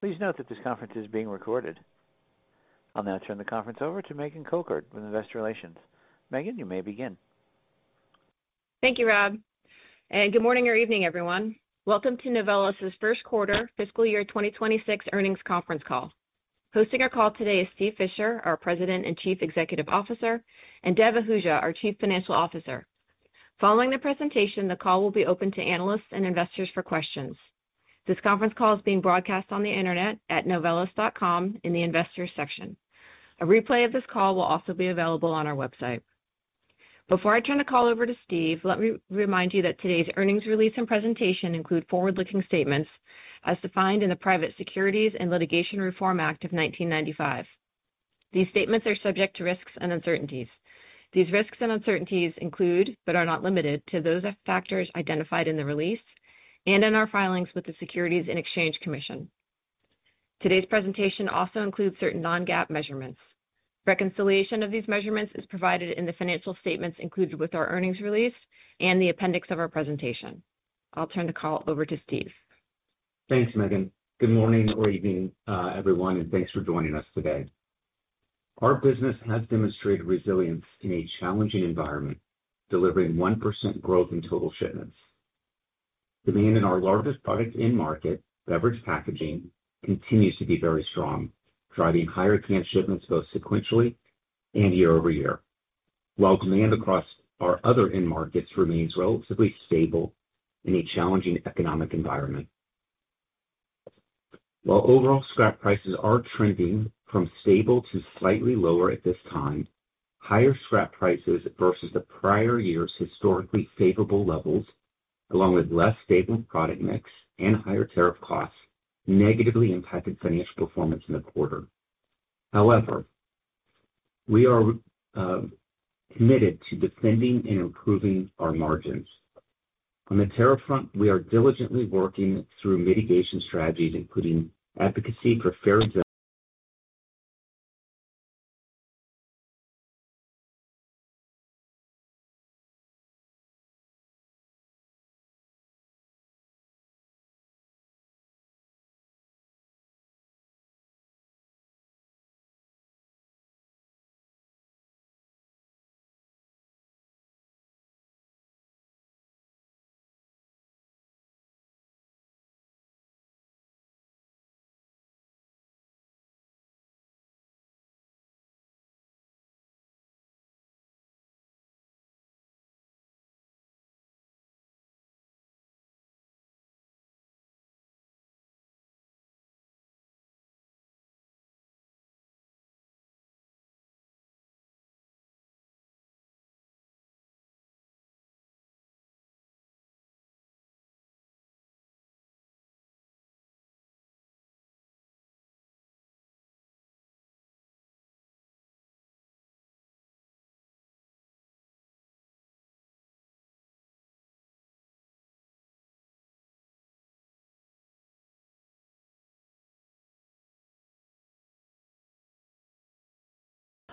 Please note that this conference is being recorded. I'll now turn the conference over to Megan Cochard with Investor Relations. Megan, you may begin. Thank you, Rob, and good morning or evening, everyone. Welcome to Novelis' first quarter fiscal year 2026 earnings conference call. Hosting our call today is Steve Fisher, our President and Chief Executive Officer, and Devinder Ahuja, our Chief Financial Officer. Following the presentation, the call will be open to analysts and investors for questions. This conference call is being broadcast on the internet at novelis.com in the Investors section. A replay of this call will also be available on our website. Before I turn the call over to Steve, let me remind you that today's earnings release and presentation include forward-looking statements as defined in the Private Securities and Litigation Reform Act of 1995. These statements are subject to risks and uncertainties. These risks and uncertainties include, but are not limited to, those factors identified in the release and in our filings with the Securities and Exchange Commission. Today's presentation also includes certain non-GAAP measurements. Reconciliation of these measurements is provided in the financial statements included with our earnings release and the appendix of our presentation. I'll turn the call over to Steve. Thanks, Megan. Good morning or evening, everyone, and thanks for joining us today. Our business has demonstrated resilience in a challenging environment, delivering 1% growth in total shipments. Demand in our largest product in-market, beverage packaging, continues to be very strong, driving higher client shipments both sequentially and year over year, while demand across our other in-markets remains relatively stable in a challenging economic environment. While overall scrap prices are trending from stable to slightly lower at this time, higher scrap prices versus the prior year's historically favorable levels, along with less stable product mix and higher tariff costs, negatively impacted financial performance in the quarter. However, we are committed to defending and improving our margins. On the tariff front, we are diligently working through mitigation strategies, including advocacy for fair discipline.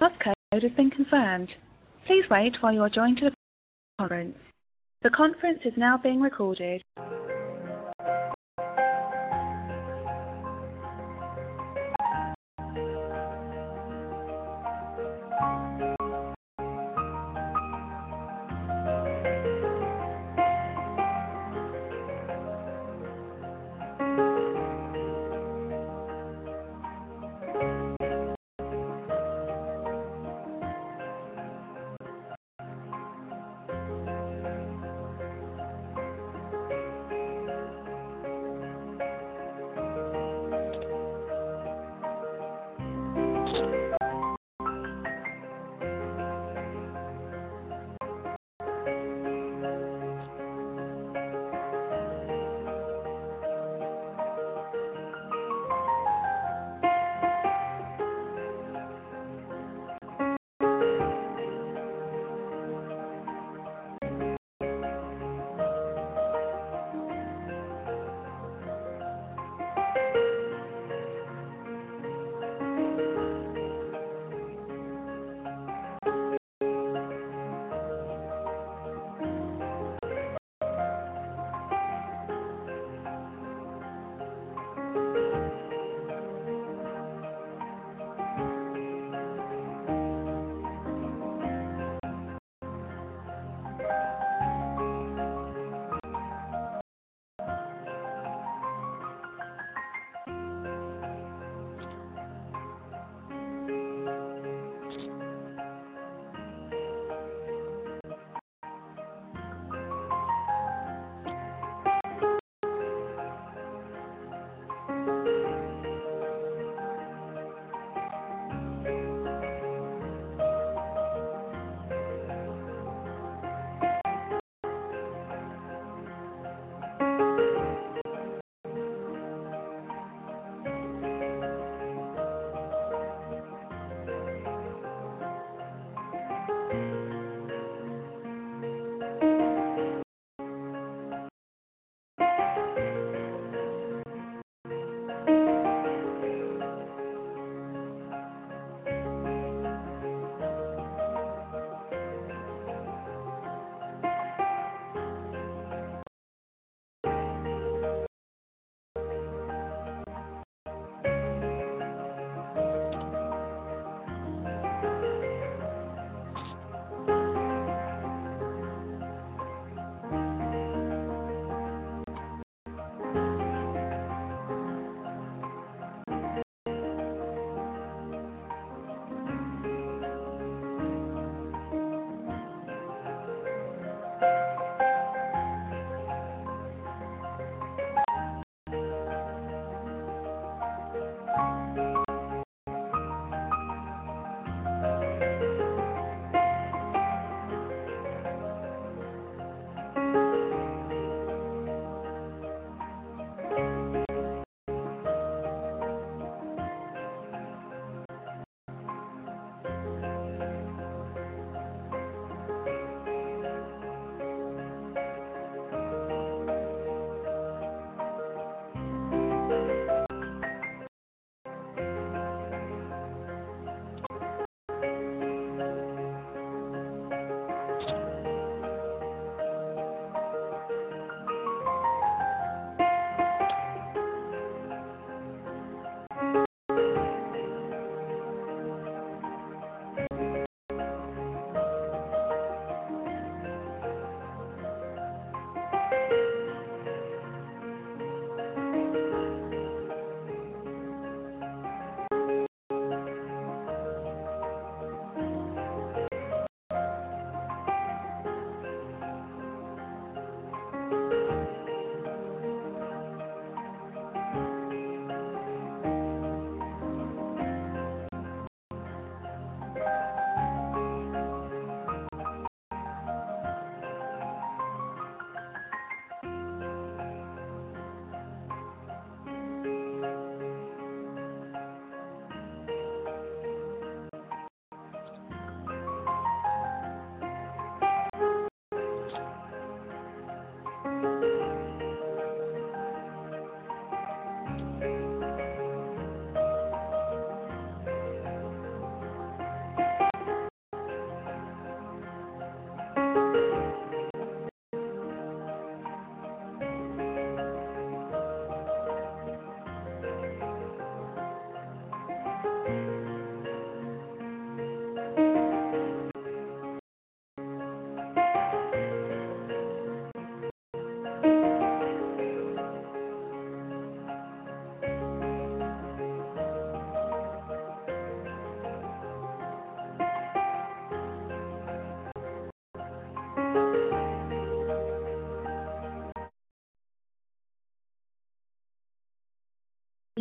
A crash code has been confirmed. Please wait while you are joined to the conference. The conference is now being concluded.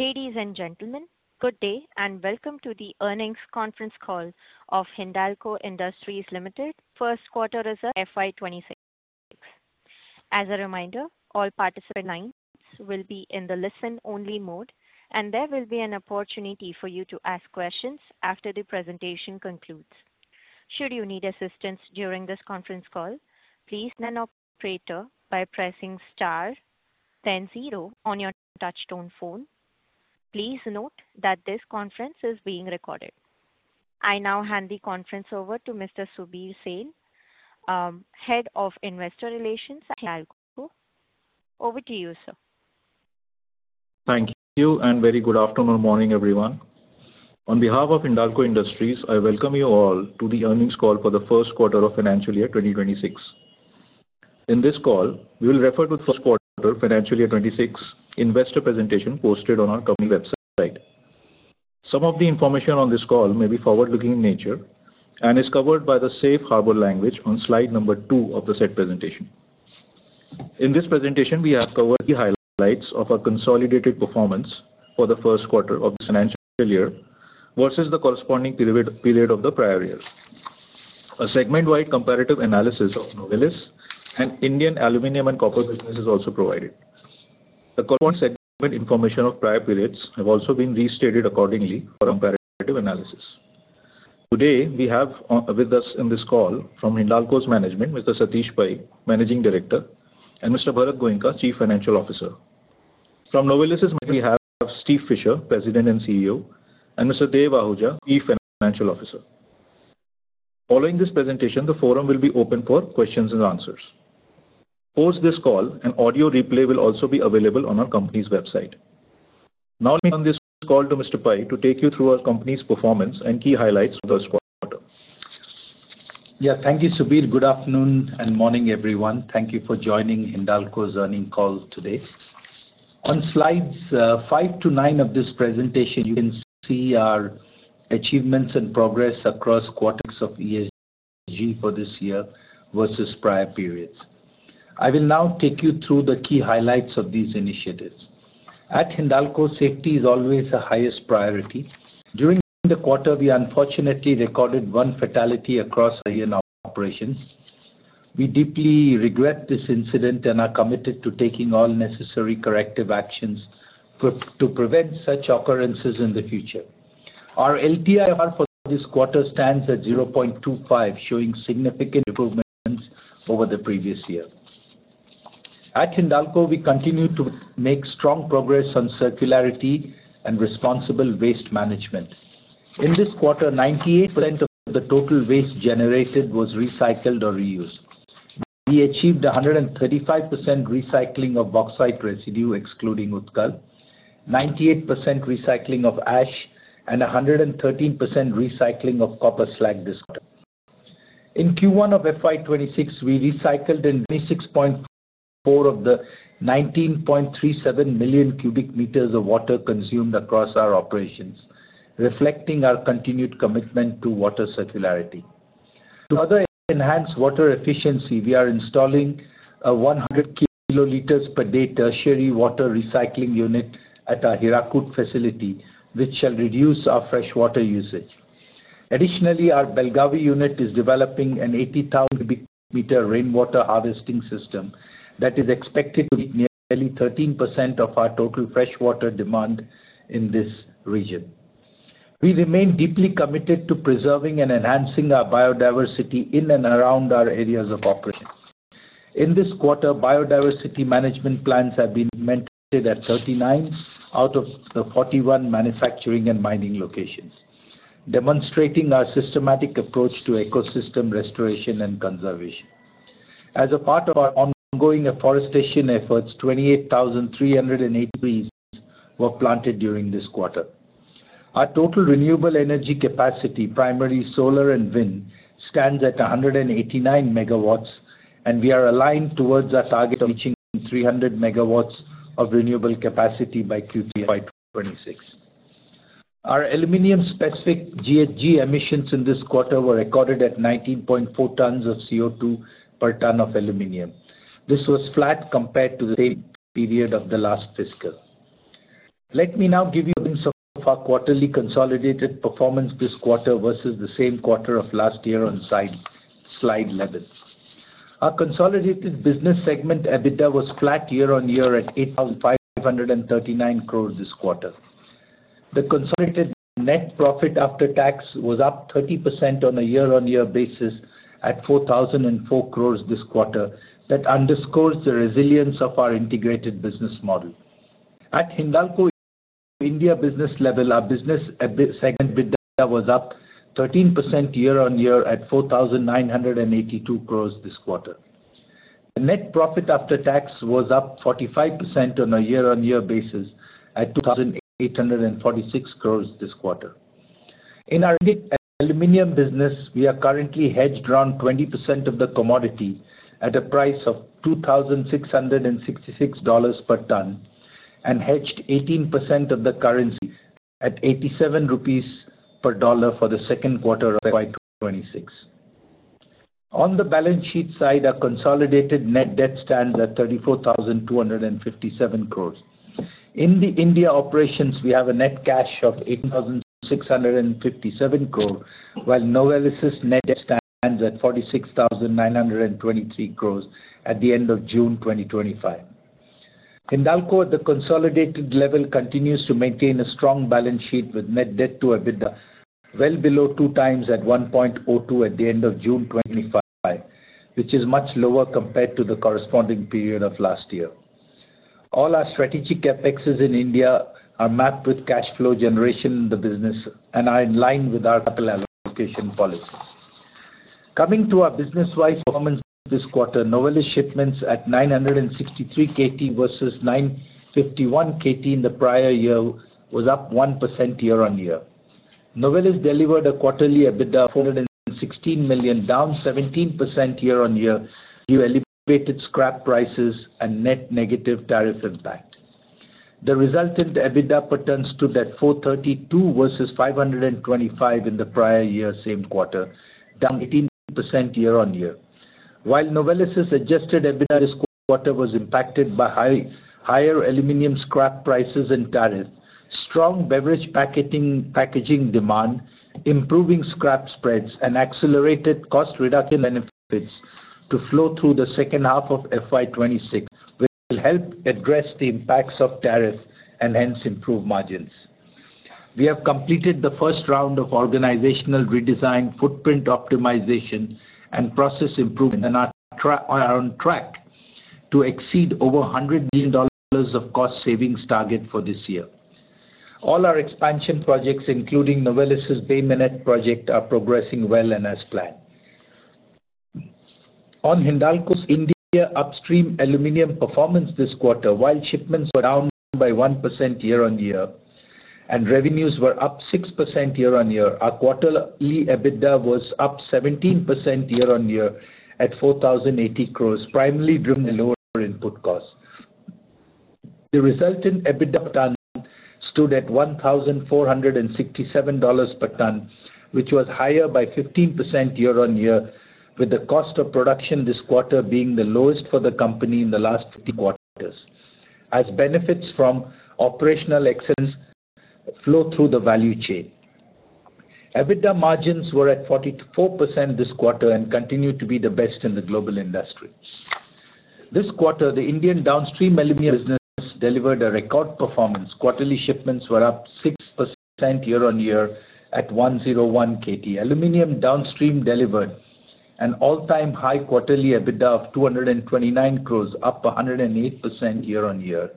Ladies and gentlemen, good day and welcome to the earnings conference call of Hindalco Industries Limited. First quarter results FY 2026. As a reminder, all participants will be in the listen-only mode, and there will be an opportunity for you to ask questions after the presentation concludes. Should you need assistance during this conference call, please signal the Operator by pressing star then zero on your touchtone phone. Please note that this conference is being recorded. I now hand the conference over to Mr. Subir Sen, Head of Investor Relations, Hindalco. Over to you, sir. Thank you, and very good afternoon or morning, everyone. On behalf of Hindalco Industries, I welcome you all to the earnings call for the first quarter of financial year 2026. In this call, we will refer to the first quarter of financial year 2026 investor presentation posted on our company website. Some of the information on this call may be forward-looking in nature and is covered by the safe harbor language on slide number 2 of the said presentation. In this presentation, we have covered the highlights of our consolidated performance for the first quarter of the financial year versus the corresponding period of the prior years. A segment-wide comparative analysis of Novelis and Indian aluminium and copper business is also provided. The corresponding segment information of prior periods has also been restated accordingly for comparative analysis. Today, we have with us in this call from Hindalco's management, Mr. Satish Pai, Managing Director, and Mr. Bharat Goenka, Chief Financial Officer. From Novelis' management, we have Steve Fisher, President and CEO, and Mr. Devinder Ahuja, Chief Financial Officer. Following this presentation, the forum will be open for questions and answers. Post this call, an audio replay will also be available on our company's website. Now, I'll turn this call to Mr. Pai to take you through our company's performance and key highlights for the first quarter. Yeah, thank you, Subir. Good afternoon and morning, everyone. Thank you for joining Hindalco's earnings call today. On slides 5-9 of this presentation, you can see our achievements and progress across quarters of ESG for this year versus prior periods. I will now take you through the key highlights of these initiatives. At Hindalco, safety is always the highest priority. During the quarter, we unfortunately recorded one fatality across our operations. We deeply regret this incident and are committed to taking all necessary corrective actions to prevent such occurrences in the future. Our LTIFR for this quarter stands at 0.25, showing significant improvements over the previous year. At Hindalco, we continue to make strong progress on circularity and responsible waste management. In this quarter, 98% of the total waste generated was recycled or reused. We achieved 135% recycling of bauxite residue, excluding Utkar, 98% recycling of ash, and 113% recycling of copper slag discard. In Q1 of FY 2026, we recycled 26.4 of the 19.37 million cubic meters of water consumed across our operations, reflecting our continued commitment to water circularity. To further enhance water efficiency, we are installing a 100 kiloliters per day tertiary water recycling unit at our Hirakud facility, which shall reduce our freshwater usage. Additionally, our Belagavi unit is developing an 80,000 cubic meter rainwater harvesting system that is expected to be nearly 13% of our total freshwater demand in this region. We remain deeply committed to preserving and enhancing our biodiversity in and around our areas of operations. In this quarter, biodiversity management plans have been implemented at 39 out of the 41 manufacturing and mining locations, demonstrating our systematic approach to ecosystem restoration and conservation. As a part of our ongoing forestation efforts, 28,300 acres were planted during this quarter. Our total renewable energy capacity, primarily solar and wind, stands at 189 MW, and we are aligned towards our target of reaching 300 MW of renewable capacity by Q3 of 2026. Our aluminium-specific GHG emissions in this quarter were recorded at 19.4 tons of CO2 per ton of aluminium. This was flat compared to the same period of the last fiscal. Let me now give you some of our quarterly consolidated performance this quarter versus the same quarter of last year on slide levels. Our consolidated business segment EBITDA was flat year-on-year at 8,539 crore this quarter. The consolidated net profit after tax was up 30% on a year-on-year basis at 4,004 crore this quarter. That underscores the resilience of our integrated business model. At Hindalco India business level, our business segment EBITDA was up 13% year-on-year at 4,982 crore this quarter. The net profit after tax was up 45% on a year-on-year basis at 2,846 crore this quarter. In our aluminium business, we are currently hedged around 20% of the commodity at a price of $2,666 per ton and hedged 18% of the currency at 87 rupees per dollar for the second quarter of FY 2026. On the balance sheet side, our consolidated net debt stands at 34,257 crore. In the India operations, we have a net cash of 8,657 crore, while Novelis' net debt stands at 46,923 crore at the end of June 2025. Hindalco at the consolidated level continues to maintain a strong balance sheet with net debt to EBITDA well below two times at 1.02 at the end of June 2025, which is much lower compared to the corresponding period of last year. All our strategic CapEx in India are mapped with cash flow generation in the business and are in line with our capital allocation policy. Coming to our business-wise performance for this quarter, Novelis shipments at 963 KT versus 951 KT in the prior year was up 1% year-on-year. Novelis delivered a quarterly EBITDA of $416 million, down 17% year-on-year due to elevated scrap prices and net negative tariff impact. The resultant EBITDA returns stood at $432 million versus $525 million in the prior year same quarter, down 18% year-on-year. While Novelis' adjusted EBITDA this quarter was impacted by higher aluminium scrap prices and tariffs, strong beverage packaging demand, improving scrap spreads, and accelerated cost reduction and efforts to flow through the second half of FY 2026 will help address the impacts of tariffs and hence improve margins. We have completed the first round of organizational redesign, footprint optimization, and process improvement, and are on track to exceed over $100 million of cost savings target for this year. All our expansion projects, including Novelis' Bay Minette project, are progressing well and as planned. On Hindalco's India upstream aluminium performance this quarter, while shipments were down by 1% year-on-year and revenues were up 6% year-on-year, our quarterly EBITDA was up 17% year-on-year at 4,080 crore, primarily driven by lower input costs. The resultant EBITDA per ton stood at $1,467 per ton, which was higher by 15% year-on-year, with the cost of production this quarter being the lowest for the company in the last three quarters, as benefits from operational excellence flow through the value chain. EBITDA margins were at 44% this quarter and continue to be the best in the global industry. This quarter, the Indian downstream aluminium business delivered a record performance. Quarterly shipments were up 6% year-on-year at 101 KT. Aluminium downstream delivered an all-time high quarterly EBITDA of 229 crore, up 108% year-on-year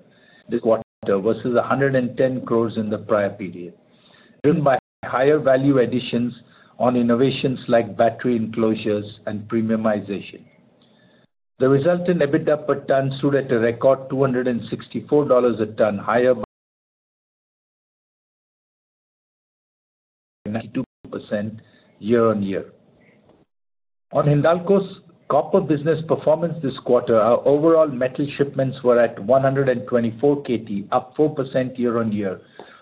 this quarter versus 110 crore in the prior period, driven by higher value additions on innovations like battery enclosures and premiumization. The resultant EBITDA per ton stood at a record $264 a ton, higher by 22% year-on-year. On Hindalco's copper business performance this quarter, our overall metal shipments were at 124 KT, up 4% year-on-year,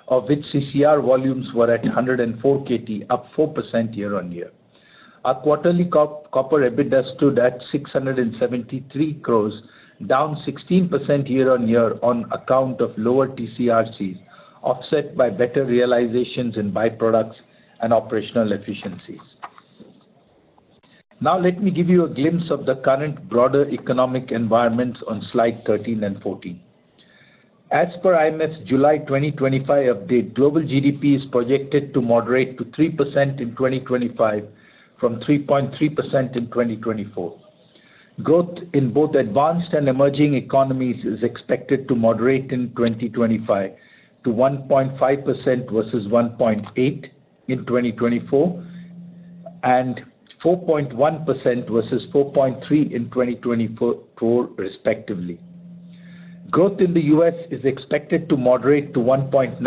of which CCR volumes were at 104 KT, up 4% year-on-year. Our quarterly copper EBITDA stood at 673 crore, down 16% year-on-year on account of lower TCRGs, offset by better realizations in byproducts and operational efficiencies. Now, let me give you a glimpse of the current broader economic environments on slide 13 and 14. As per IMF's July 2025 update, global GDP is projected to moderate to 3% in 2025, from 3.3% in 2024. Growth in both advanced and emerging economies is expected to moderate in 2025 to 1.5% versus 1.8% in 2024 and 4.1% versus 4.3% in 2024, respectively. Growth in the U.S. is expected to moderate to 1.9%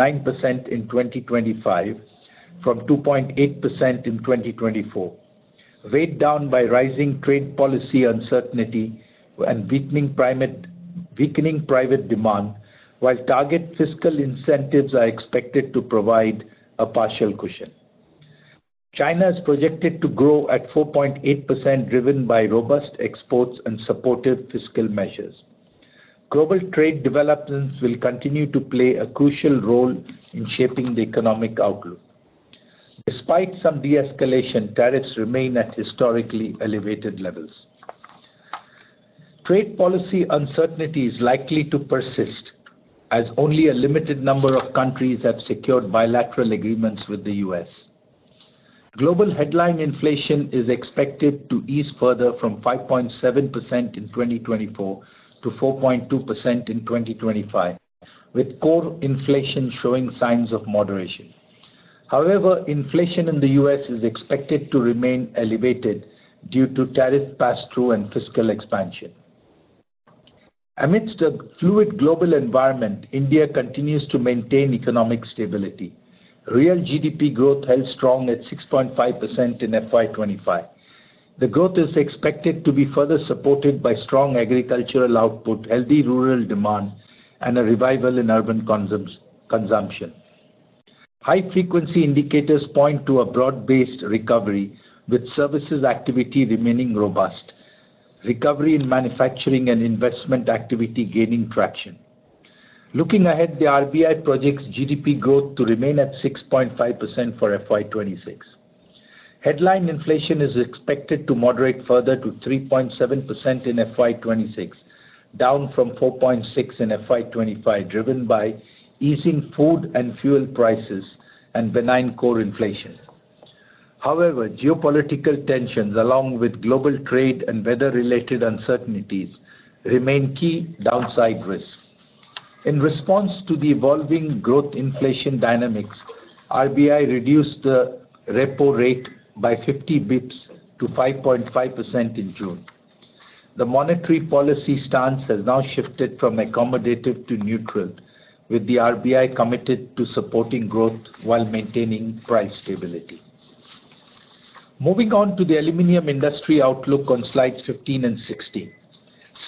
in 2025, from 2.8% in 2024, weighed down by rising trade policy uncertainty and weakening private demand, while target fiscal incentives are expected to provide a partial cushion. China is projected to grow at 4.8%, driven by robust exports and supportive fiscal measures. Global trade developments will continue to play a crucial role in shaping the economic outlook. Despite some de-escalation, tariffs remain at historically elevated levels. Trade policy uncertainty is likely to persist, as only a limited number of countries have secured bilateral agreements with the U.S. Global headline inflation is expected to ease further from 5.7% in 2024 to 4.2% in 2025, with core inflation showing signs of moderation. However, inflation in the U.S. is expected to remain elevated due to tariff pass-through and fiscal expansion. Amidst a fluid global environment, India continues to maintain economic stability. Real GDP growth held strong at 6.5% in FY 2025. The growth is expected to be further supported by strong agricultural output, healthy rural demand, and a revival in urban consumption. High-frequency indicators point to a broad-based recovery, with services activity remaining robust, recovery in manufacturing, and investment activity gaining traction. Looking ahead, the RBI projects GDP growth to remain at 6.5% for FY 2026. Headline inflation is expected to moderate further to 3.7% in FY 2026, down from 4.6% in FY 2025, driven by easing food and fuel prices and benign core inflation. However, geopolitical tensions, along with global trade and weather-related uncertainties, remain key downside risks. In response to the evolving growth-inflation dynamics, RBI reduced the repo rate by 50 basis points to 5.5% in June. The monetary policy stance has now shifted from accommodative to neutral, with the RBI committed to supporting growth while maintaining price stability. Moving on to the aluminium industry outlook on slides 15 and 16.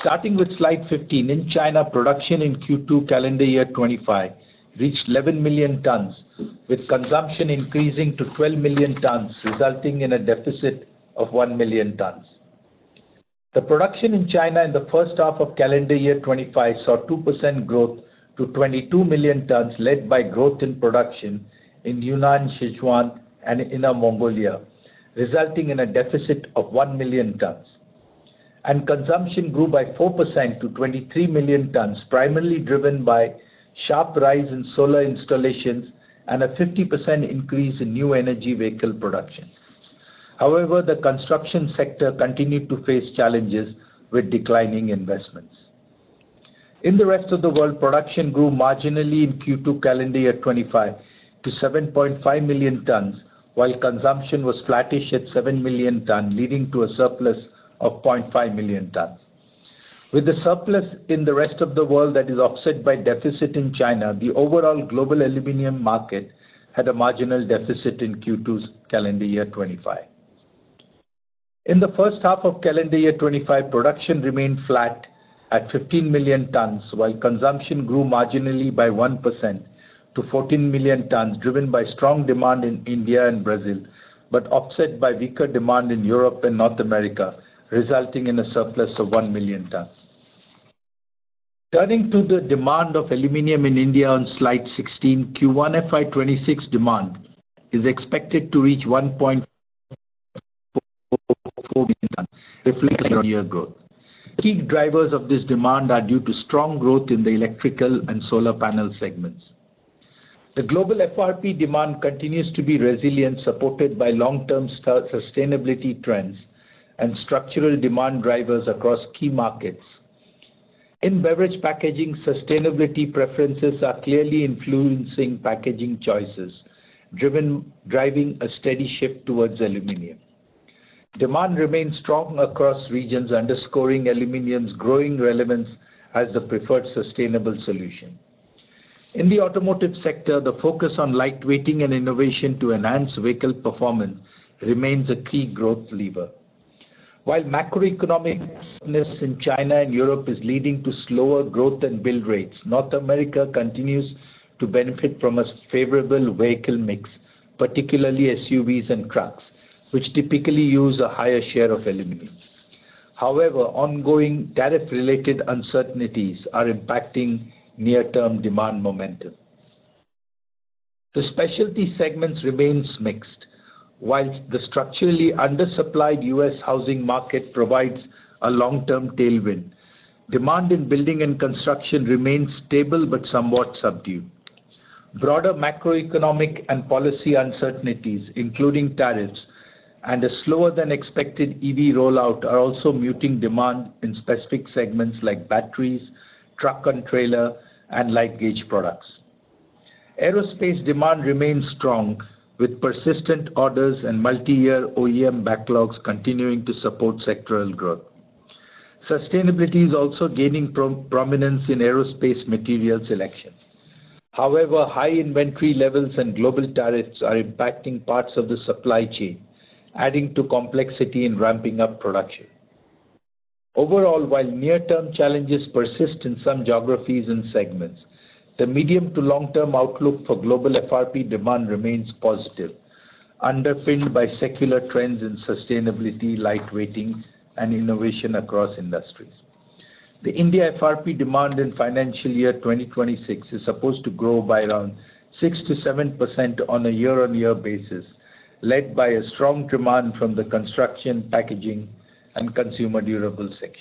Starting with slide 15, in China, production in Q2 calendar year 2025 reached 11 million tons, with consumption increasing to 12 million tons, resulting in a deficit of 1 million tons. The production in China in the first half of calendar year 2025 saw 2% growth to 22 million tons, led by growth in production in Yunnan, Sichuan, and Inner Mongolia, resulting in a deficit of 1 million tons. Consumption grew by 4% to 23 million tons, primarily driven by sharp rise in solar installations and a 50% increase in new energy vehicle production. However, the construction sector continued to face challenges with declining investments. In the rest of the world, production grew marginally in Q2 calendar year 2025 to 7.5 million tons, while consumption was flattish at 7 million tons, leading to a surplus of 0.5 million tons. With the surplus in the rest of the world that is offset by deficit in China, the overall global aluminium market had a marginal deficit in Q2 calendar year 2025. In the first half of calendar year 2025, production remained flat at 15 million tons, while consumption grew marginally by 1% to 14 million tons, driven by strong demand in India and Brazil, but offset by weaker demand in Europe and North America, resulting in a surplus of 1 million tons. Turning to the demand of aluminium in India on slide 16, Q1 FY 2026 demand is expected to reach 1.4 million tons, reflecting year-on-year growth. Key drivers of this demand are due to strong growth in the electrical and solar panel segments. The global FRP demand continues to be resilient, supported by long-term sustainability trends and structural demand drivers across key markets. In beverage packaging, sustainability preferences are clearly influencing packaging choices, driving a steady shift towards aluminium. Demand remains strong across regions, underscoring aluminium's growing relevance as the preferred sustainable solution. In the automotive sector, the focus on lightweighting and innovation to enhance vehicle performance remains a key growth lever. While macroeconomic weakness in China and Europe is leading to slower growth and build rates, North America continues to benefit from a favorable vehicle mix, particularly SUVs and trucks, which typically use a higher share of aluminium. However, ongoing tariff-related uncertainties are impacting near-term demand momentum. The specialty segments remain mixed, while the structurally undersupplied U.S. housing market provides a long-term tailwind. Demand in building and construction remains stable but somewhat subdued. Broader macroeconomic and policy uncertainties, including tariffs and a slower-than-expected EV rollout, are also muting demand in specific segments like batteries, truck and trailer, and light gauge products. Aerospace demand remains strong, with persistent orders and multi-year OEM backlogs continuing to support sectoral growth. Sustainability is also gaining prominence in aerospace material selections. However, high inventory levels and global tariffs are impacting parts of the supply chain, adding to complexity in ramping up production. Overall, while near-term challenges persist in some geographies and segments, the medium to long-term outlook for global FRP demand remains positive, underpinned by secular trends in sustainability, lightweighting, and innovation across industries. The India FRP demand in financial year 2026 is supposed to grow by around 6% to 7% on a year-on-year basis, led by a strong demand from the construction, packaging, and consumer durable sector.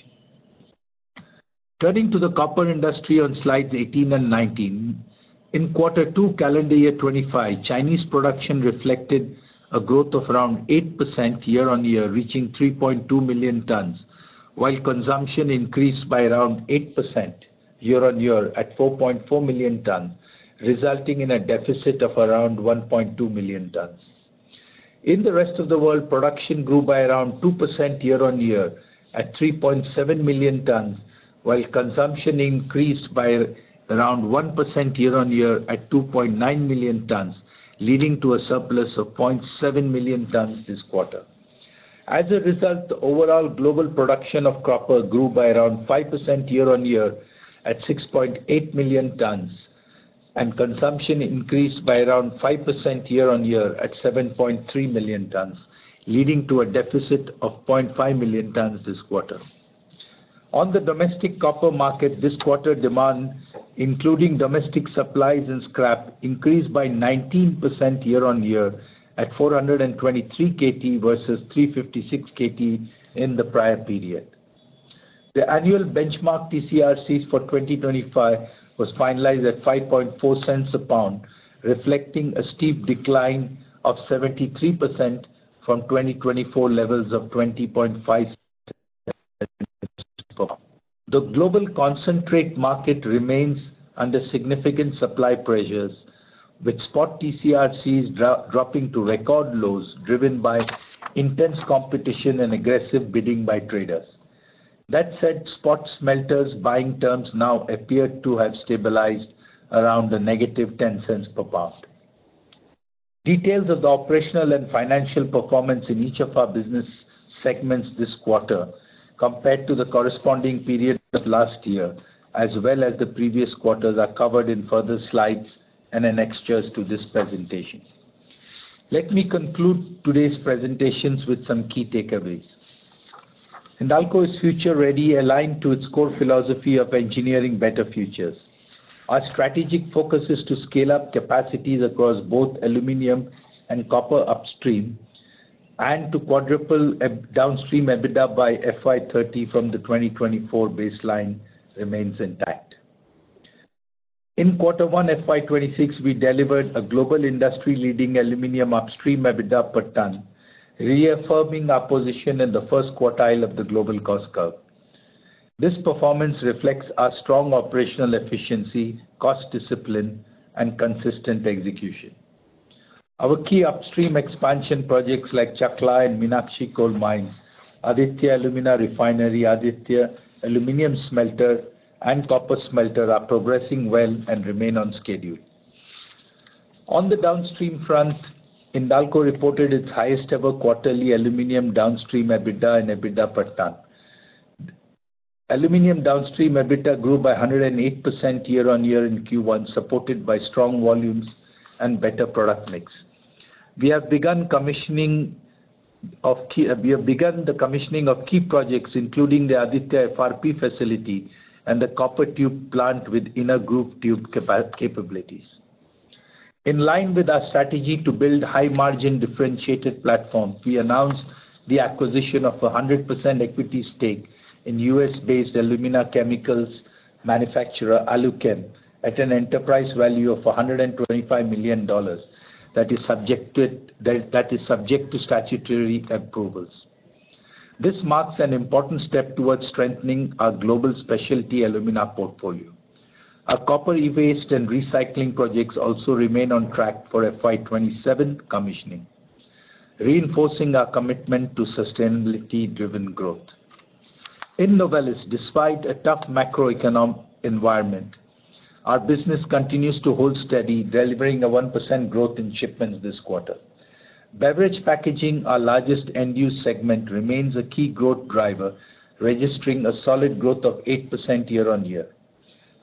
Turning to the copper industry on slides 18 and 19, in quarter 2 calendar year 2025, Chinese production reflected a growth of around 8% year-on-year, reaching 3.2 million tons, while consumption increased by around 8% year-on-year at 4.4 million tons, resulting in a deficit of around 1.2 million tons. In the rest of the world, production grew by around 2% year-on-year at 3.7 million tons, while consumption increased by around 1% year-on-year at 2.9 million tons, leading to a surplus of 0.7 million tons this quarter. As a result, overall global production of copper grew by around 5% year-on-year at 6.8 million tons, and consumption increased by around 5% year-on-year at 7.3 million tons, leading to a deficit of 0.5 million tons this quarter. On the domestic copper market, this quarter demand, including domestic supplies and scrap, increased by 19% year-on-year at 423 KT versus 356 KT in the prior period. The annual benchmark TC/RC for 2025 was finalized at $0.054 a pound, reflecting a steep decline of 73% from 2024 levels of $0.205 a pound. The global concentrate market remains under significant supply pressures, with spot TC/RCs dropping to record lows, driven by intense competition and aggressive bidding by traders. That said, spot smelters' buying terms now appear to have stabilized around the negative $0.10 per pound. Details of the operational and financial performance in each of our business segments this quarter compared to the corresponding period of last year, as well as the previous quarters, are covered in further slides and annexes to this presentation. Let me conclude today's presentations with some key takeaways. Hindalco is future-ready, aligned to its core philosophy of engineering better futures. Our strategic focus is to scale up capacities across both aluminium and copper upstream, and to quadruple downstream EBITDA by FY30 from the 2024 baseline remains intact. In quarter 1 FY 2026, we delivered a global industry-leading aluminium upstream EBITDA per ton, reaffirming our position in the first quartile of the global cost curve. This performance reflects our strong operational efficiency, cost discipline, and consistent execution. Our key upstream expansion projects like Chakla and Meenakshi captive coal mines, Aditya Alumina Refinery, Aditya Aluminium Smelter, and copper smelter are progressing well and remain on schedule. On the downstream front, Hindalco reported its highest ever quarterly aluminium downstream EBITDA in EBITDA per ton. Aluminium downstream EBITDA grew by 108% year-on-year in Q1, supported by strong volumes and better product mix. We have begun commissioning of key projects, including the Aditya FRP facility and the copper tube plant with innergroove tube capabilities. In line with our strategy to build a high-margin differentiated platform, we announced the acquisition of a 100% equity stake in U.S.-based alumina chemicals manufacturer AluChem at an enterprise value of $125 million that is subject to statutory approvals. This marks an important step towards strengthening our global specialty alumina portfolio. Our copper e-waste and recycling projects also remain on track for FY 2027 commissioning, reinforcing our commitment to sustainability-driven growth. In Novelis, despite a tough macroeconomic environment, our business continues to hold steady, delivering a 1% growth in shipments this quarter. Beverage packaging, our largest end-use segment, remains a key growth driver, registering a solid growth of 8% year-on-year.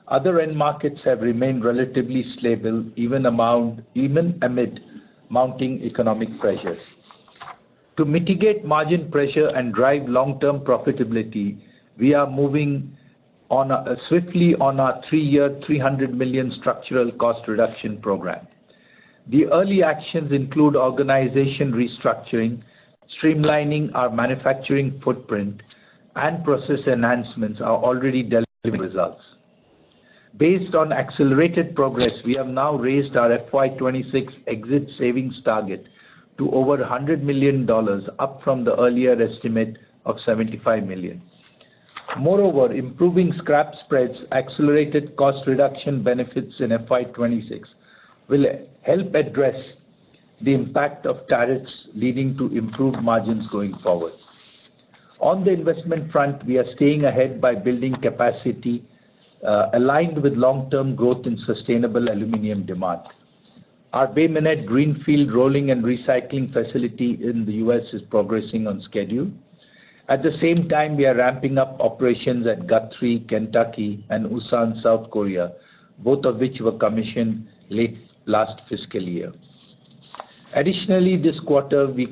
Other end markets have remained relatively stable, even amid mounting economic pressures. To mitigate margin pressure and drive long-term profitability, we are moving swiftly on our three-year $300 million structural cost reduction program. The early actions include organization restructuring, streamlining our manufacturing footprint, and process enhancements are already delivering results. Based on accelerated progress, we have now raised our FY 2026 exit savings target to over $100 million, up from the earlier estimate of $75 million. Moreover, improving scrap spreads and accelerated cost reduction benefits in FY 2026 will help address the impact of tariffs leading to improved margins going forward. On the investment front, we are staying ahead by building capacity aligned with long-term growth in sustainable aluminium demand. Our Bay Minette Greenfield rolling and recycling facility in the U.S. is progressing on schedule. At the same time, we are ramping up operations at Guthrie, Kentucky, and Ulsan, South Korea, both of which were commissioned late last fiscal year. Additionally, this quarter, we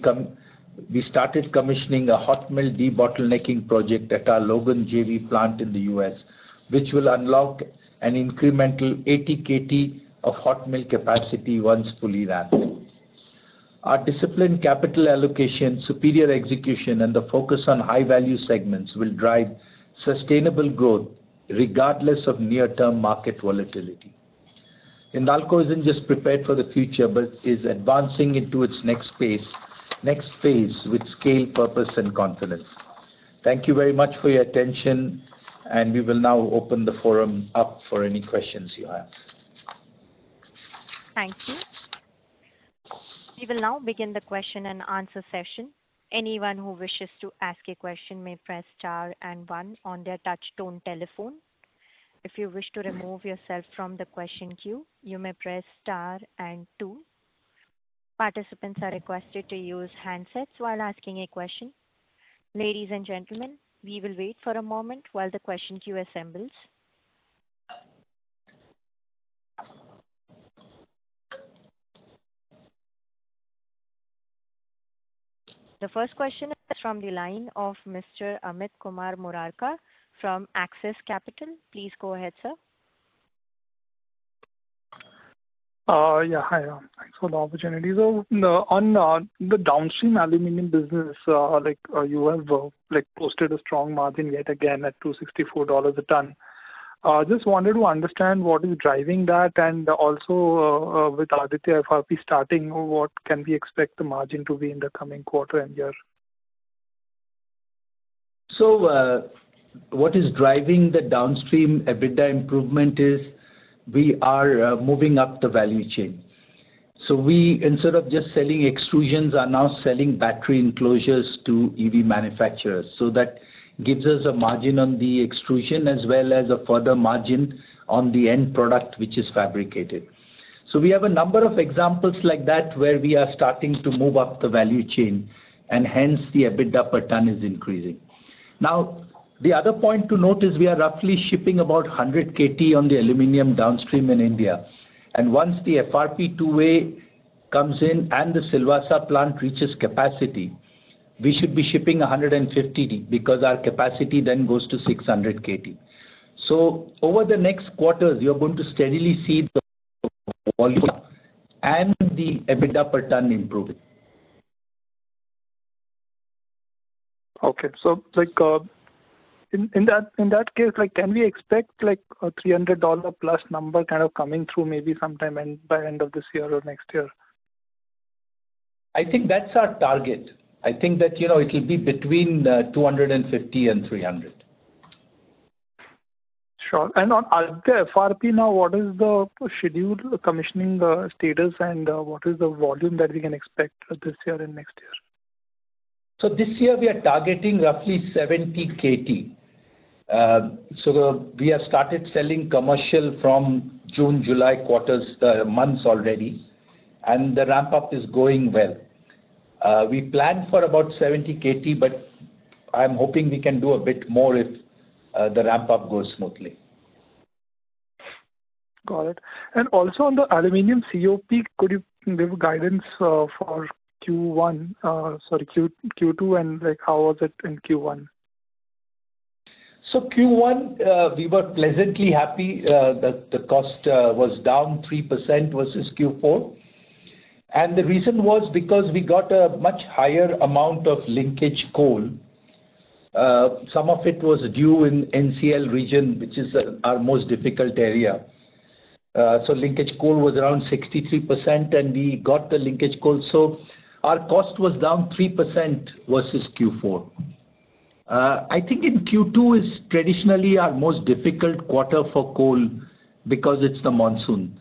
started commissioning a hot mill debottlenecking project at our Logan JV plant in the U.S., which will unlock an incremental 80 KT of hot mill capacity once fully ramped. Our disciplined capital allocation, superior execution, and the focus on high-value segments will drive sustainable growth regardless of near-term market volatility. Hindalco isn't just prepared for the future but is advancing into its next phase with scale, purpose, and confidence. Thank you very much for your attention, and we will now open the forum up for any questions you have. Thank you. We will now begin the question and answer session. Anyone who wishes to ask a question may press star and one on their touchtone telephone. If you wish to remove yourself from the question queue, you may press star and two. Participants are requested to use handsets while asking a question. Ladies and gentlemen, we will wait for a moment while the question queue assembles. The first question is from the line of Mr. Amit Murarka from Axis Capital. Please go ahead, sir. Yeah, hi. Thanks for the opportunity. On the downstream aluminium business, you have posted a strong margin yet again at $264 a ton. I just wanted to understand what is driving that, and also with Aditya FRP starting, what can we expect the margin to be in the coming quarter and year? What is driving the downstream EBITDA improvement is we are moving up the value chain. We, instead of just selling extrusions, are now selling battery enclosures to EV manufacturers. That gives us a margin on the extrusion as well as a further margin on the end product, which is fabricated. We have a number of examples like that where we are starting to move up the value chain, and hence the EBITDA per ton is increasing. The other point to note is we are roughly shipping about 100 KT on the aluminium downstream in India. Once the FRP 2A comes in and the Silvassa plant reaches capacity, we should be shipping 150 KT because our capacity then goes to 600 KT. Over the next quarter, you're going to steadily see the volume and the EBITDA per ton improving. Okay, in that case, can we expect a $300+ number kind of coming through maybe sometime by the end of this year or next year? I think that's our target. I think that you know it'll be between 250 and 300. Sure. On Aditya FRP now, what is the scheduled commissioning status, and what is the volume that we can expect this year and next year? This year, we are targeting roughly 70 KT. We have started selling commercial from June, July months already, and the ramp-up is going well. We plan for about 70 KT, but I'm hoping we can do a bit more if the ramp-up goes smoothly. Got it. Also, on the aluminium COP, could you give guidance for Q2 and how was it in Q1? In Q1, we were pleasantly happy that the cost was down 3% versus Q4. The reason was because we got a much higher amount of linkage coal. Some of it was due in the NCL region, which is our most difficult area. Linkage coal was around 63%, and we got the linkage coal. Our cost was down 3% versus Q4. I think Q2 is traditionally our most difficult quarter for coal because it's the monsoon.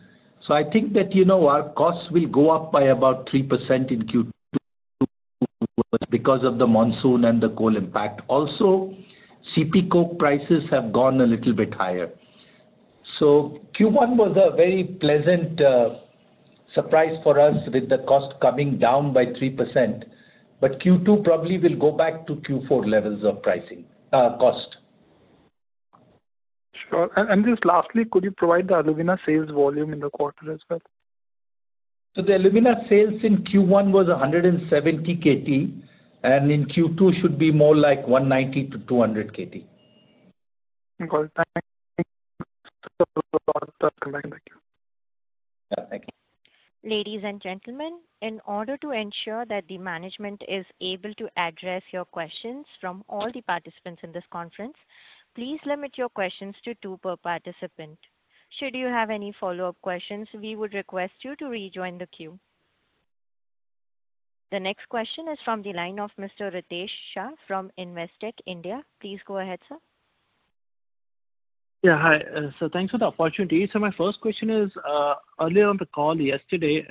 I think that our costs will go up by about 3% in Q2 because of the monsoon and the coal impact. Also, CP coke prices have gone a little bit higher. Q1 was a very pleasant surprise for us with the cost coming down by 3%, but Q2 probably will go back to Q4 levels of pricing cost. Sure. Lastly, could you provide the alumina sales volume in the quarter as well? Alumina sales in Q1 was 170 KT, and in Q2 should be more like 190 KT-200 KT. Ladies and gentlemen, in order to ensure that the management is able to address your questions from all the participants in this conference, please limit your questions to two per participant. Should you have any follow-up questions, we would request you to rejoin the queue. The next question is from the line of Mr. Ritesh Shah from Investec India. Please go ahead, sir. Yeah, hi. Thanks for the opportunity. My first question is, earlier on the call yesterday,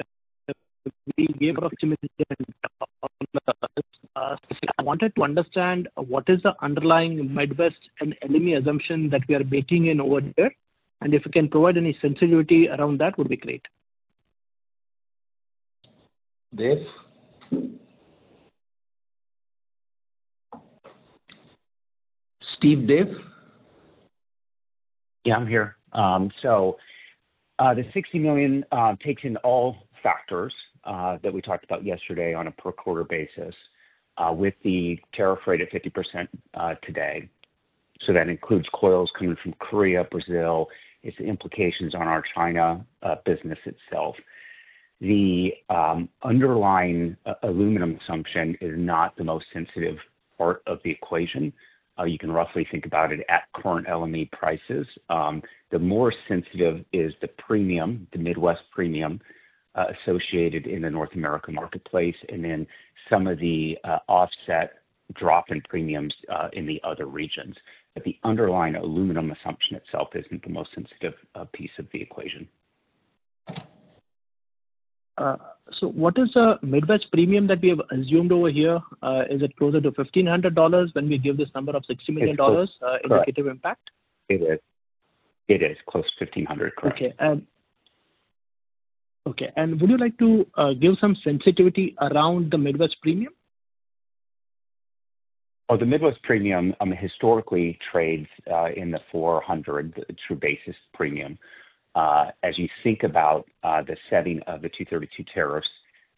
we gave an opportunity and asked, I wanted to understand what is the underlying Midwest and LME assumption that we are making over there, and if you can provide any sensitivity around that, it would be great. Steve? Dev? Yeah, I'm here. The $60 million takes in all factors that we talked about yesterday on a per-quarter basis, with the tariff rate at 50% today. That includes coils coming from Korea, Brazil. It's the implications on our China business itself. The underlying aluminum assumption is not the most sensitive part of the equation. You can roughly think about it at current LME prices. The more sensitive is the premium, the Midwest Premium associated in the North American marketplace, and then some of the offset drop in premiums in the other regions. The underlying aluminum assumption itself isn't the most sensitive piece of the equation. What is the Midwest Premium that we have assumed over here? Is it closer to $1,500 when we give this number of $60 million indicative impact? It is. It is close to $1,500, correct. Okay. Would you like to give some sensitivity around the Midwest Premium? The Midwest Premium historically trades in the $400 true basis premium. As you think about the setting of the Section 232 tariffs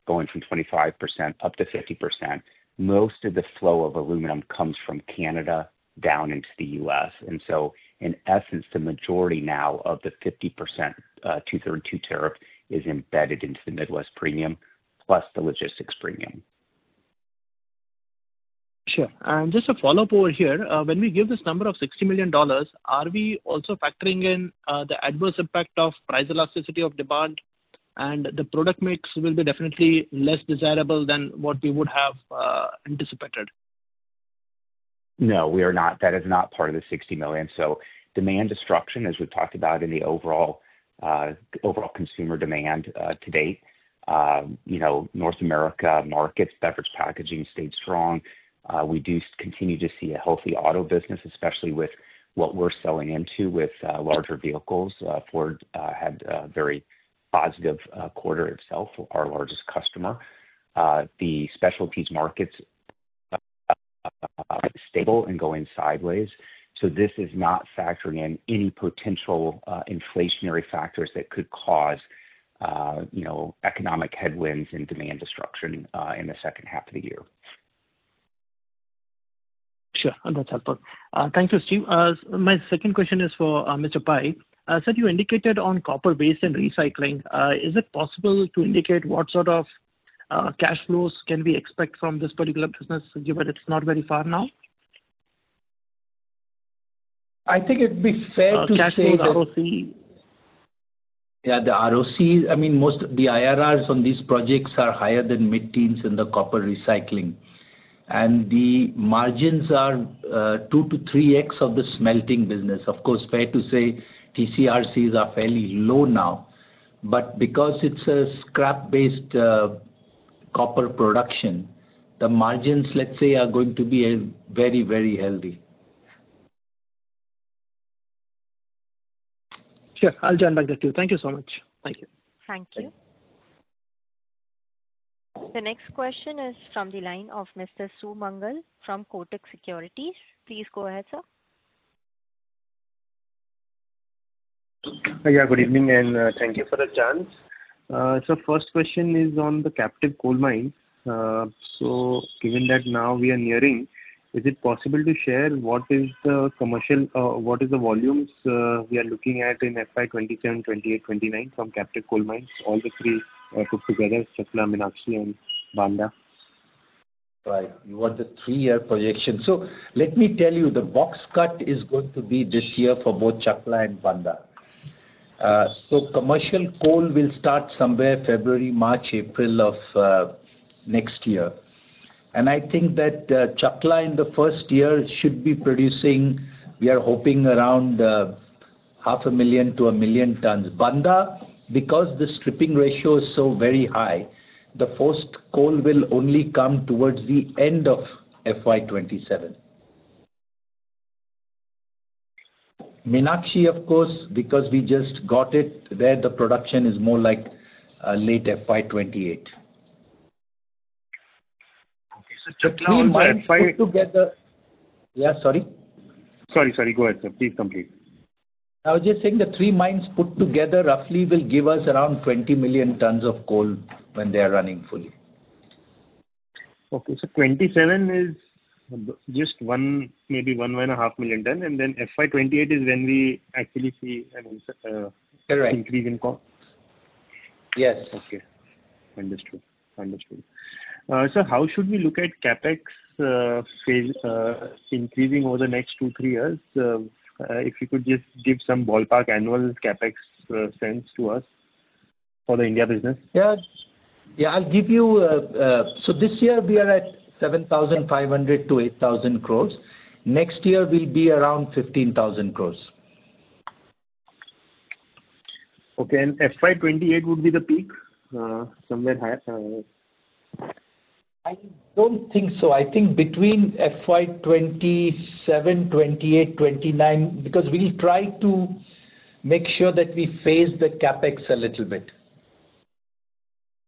going from 25% up to 50%, most of the flow of aluminium comes from Canada down into the U.S. In essence, the majority now of the 50% Section 232 tariff is embedded into the Midwest Premium, plus the logistics premium. Sure. Just a follow-up over here. When we give this number of $60 million, are we also factoring in the adverse impact of price elasticity of demand, and the product mix will be definitely less desirable than what we would have anticipated? No, we are not. That is not part of the $60 million. Demand destruction, as we've talked about in the overall consumer demand to date, you know, North America markets, beverage packaging stayed strong. We do continue to see a healthy auto business, especially with what we're selling into with larger vehicles. Ford had a very positive quarter itself, our largest customer. The specialties markets are stable and going sideways. This is not factoring in any potential inflationary factors that could cause, you know, economic headwinds and demand destruction in the second half of the year. Sure, that's helpful. Thank you, Steve. My second question is for Mr. Pai. You indicated on copper e-waste and recycling projects. Is it possible to indicate what sort of cash flows can we expect from this particular business, given it's not very far now? I think it would be fair to say. Cash flows, ROCE. Yeah, the ROCE, I mean, most of the IRRs on these projects are higher than mid-teens in the copper recycling. The margins are 2-3x of the smelting business. Of course, it's fair to say TC/RCs are fairly low now. Because it's a scrap-based copper production, the margins, let's say, are going to be very, very healthy. Sure. I'll turn back to you. Thank you so much. Thank you. Thank you. The next question is from the line of Mr. Sumangal from Kotak Securities. Please go ahead, sir. Yeah, good evening, and thank you for the chance. The first question is on the captive coal mine. Given that now we are nearing, is it possible to share what is the commercial, what is the volumes we are looking at in FY 2027 and 2028-29 from captive coal mines, all the three put together, Chakla, Meenakshi, and Bandha? You want the three-year projection. Let me tell you, the box cut is going to be this year for both Chakla and Bandha. Commercial coal will start somewhere February, March, April of next year. I think that Chakla in the first year should be producing, we are hoping, around half a million to a million tons. Bandha, because the stripping ratio is so very high, the first coal will only come towards the end of FY 2027. Meenakshi, of course, because we just got it, the production is more like late FY 2028. Okay. Chakla and Bandha. Three mines put together. Sorry? Sorry. Go ahead, sir. Please complete. The three mines put together roughly will give us around 20 million tons of coal when they are running fully. 2027 is just one, maybe one and a half million tons, and then FY 2028 is when we actually see an increase in coal. Yes. Okay. Understood. How should we look at CapEx increasing over the next 2-3 years? If you could just give some ballpark annual CapEx sense to us for the India business. Yeah, I'll give you a, this year we are at 7,500-INR8,000 crore. Next year will be around 15,000 crore. Okay. FY 2028 would be the peak, somewhere higher? I don't think so. I think between FY 2027, 2028-2029, because we'll try to make sure that we phase the CapEx a little bit.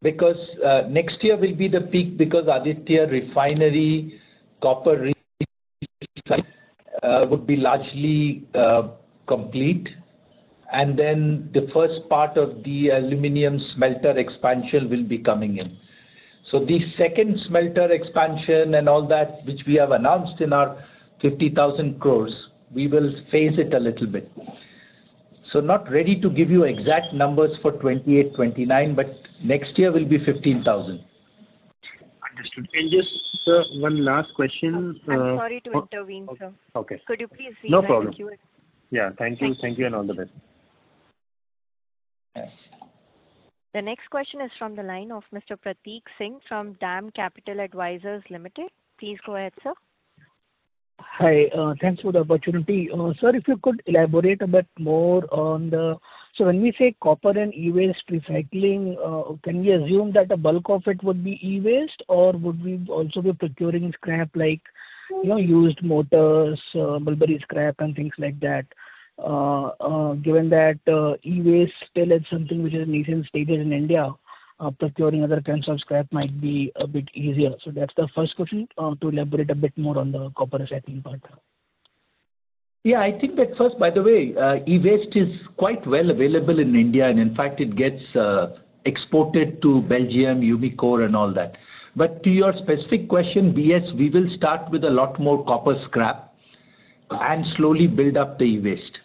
Next year will be the peak because Aditya Refinery copper recycling would be largely complete, and then the first part of the aluminium smelter expansion will be coming in. The second smelter expansion and all that, which we have announced in our 50,000 crore plan, we will phase it a little bit. Not ready to give you exact numbers for 2028-2029, but next year will be 15,000 crore. Understood. Just one last question. Sorry to intervene, sir. Okay. Could you please rejoin the queue? No problem. Thank you. Thank you and all the best. Yes. The next question is from the line of Mr. Prateek Singh from DAM Capital Advisors Limited. Please go ahead, sir. Hi. Thanks for the opportunity. Sir, if you could elaborate a bit more on the, when we say copper and e-waste recycling, can we assume that a bulk of it would be e-waste, or would we also be procuring scrap, like used motors, Mulberry scrap, and things like that? Given that e-waste still is something which is in a nascent stage in India, procuring other kinds of scrap might be a bit easier. That's the first question. To elaborate a bit more on the copper recycling part. Yeah, I think that first, by the way, e-waste is quite well available in India, and in fact, it gets exported to Belgium, Umicore, and all that. To your specific question, yes, we will start with a lot more copper scrap and slowly build up the e-waste.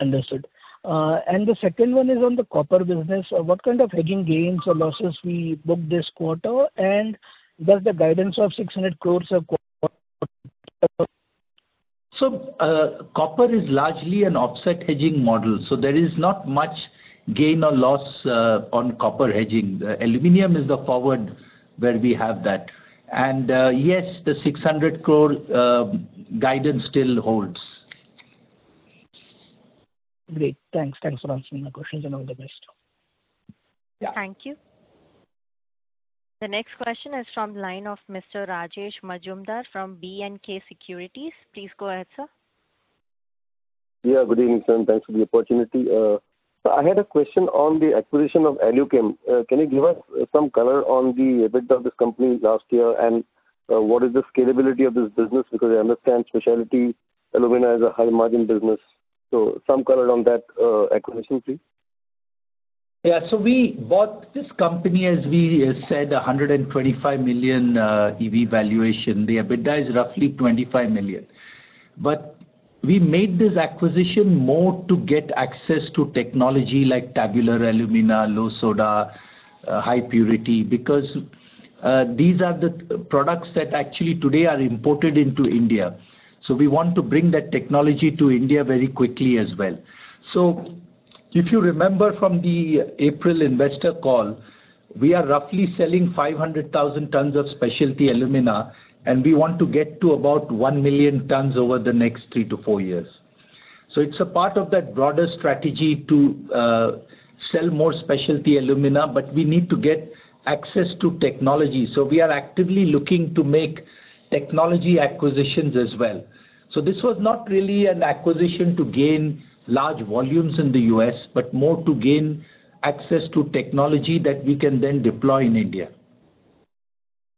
Understood. The second one is on the copper business. What kind of hedging gains or losses we book this quarter, and does the guidance of 600 crore? Copper is largely an offset hedging model, so there is not much gain or loss on copper hedging. The aluminium is the forward where we have that, and yes, the 600 crore guidance still holds. Great. Thanks. Thanks for answering my questions and all the best. Thank you. The next question is from the line of Mr. Rajesh Majumdar from B&K Securities. Please go ahead, sir. Yeah, good evening, sir. Thanks for the opportunity. I had a question on the acquisition of AluChem. Can you give us some color on the EBITDA of this company last year and what is the scalability of this business? I understand specialty alumina is a high-margin business. Some color on that acquisition, please. Yeah, so we bought this company, as we said, $125 million EV valuation. The EBITDA is roughly $25 million. We made this acquisition more to get access to technology like tabular alumina, low soda, high purity, because these are the products that actually today are imported into India. We want to bring that technology to India very quickly as well. If you remember from the April investor call, we are roughly selling 500,000 tons of specialty alumina, and we want to get to about 1 million tons over the next 3-4 years. It is a part of that broader strategy to sell more specialty alumina, but we need to get access to technology. We are actively looking to make technology acquisitions as well. This was not really an acquisition to gain large volumes in the U.S., but more to gain access to technology that we can then deploy in India.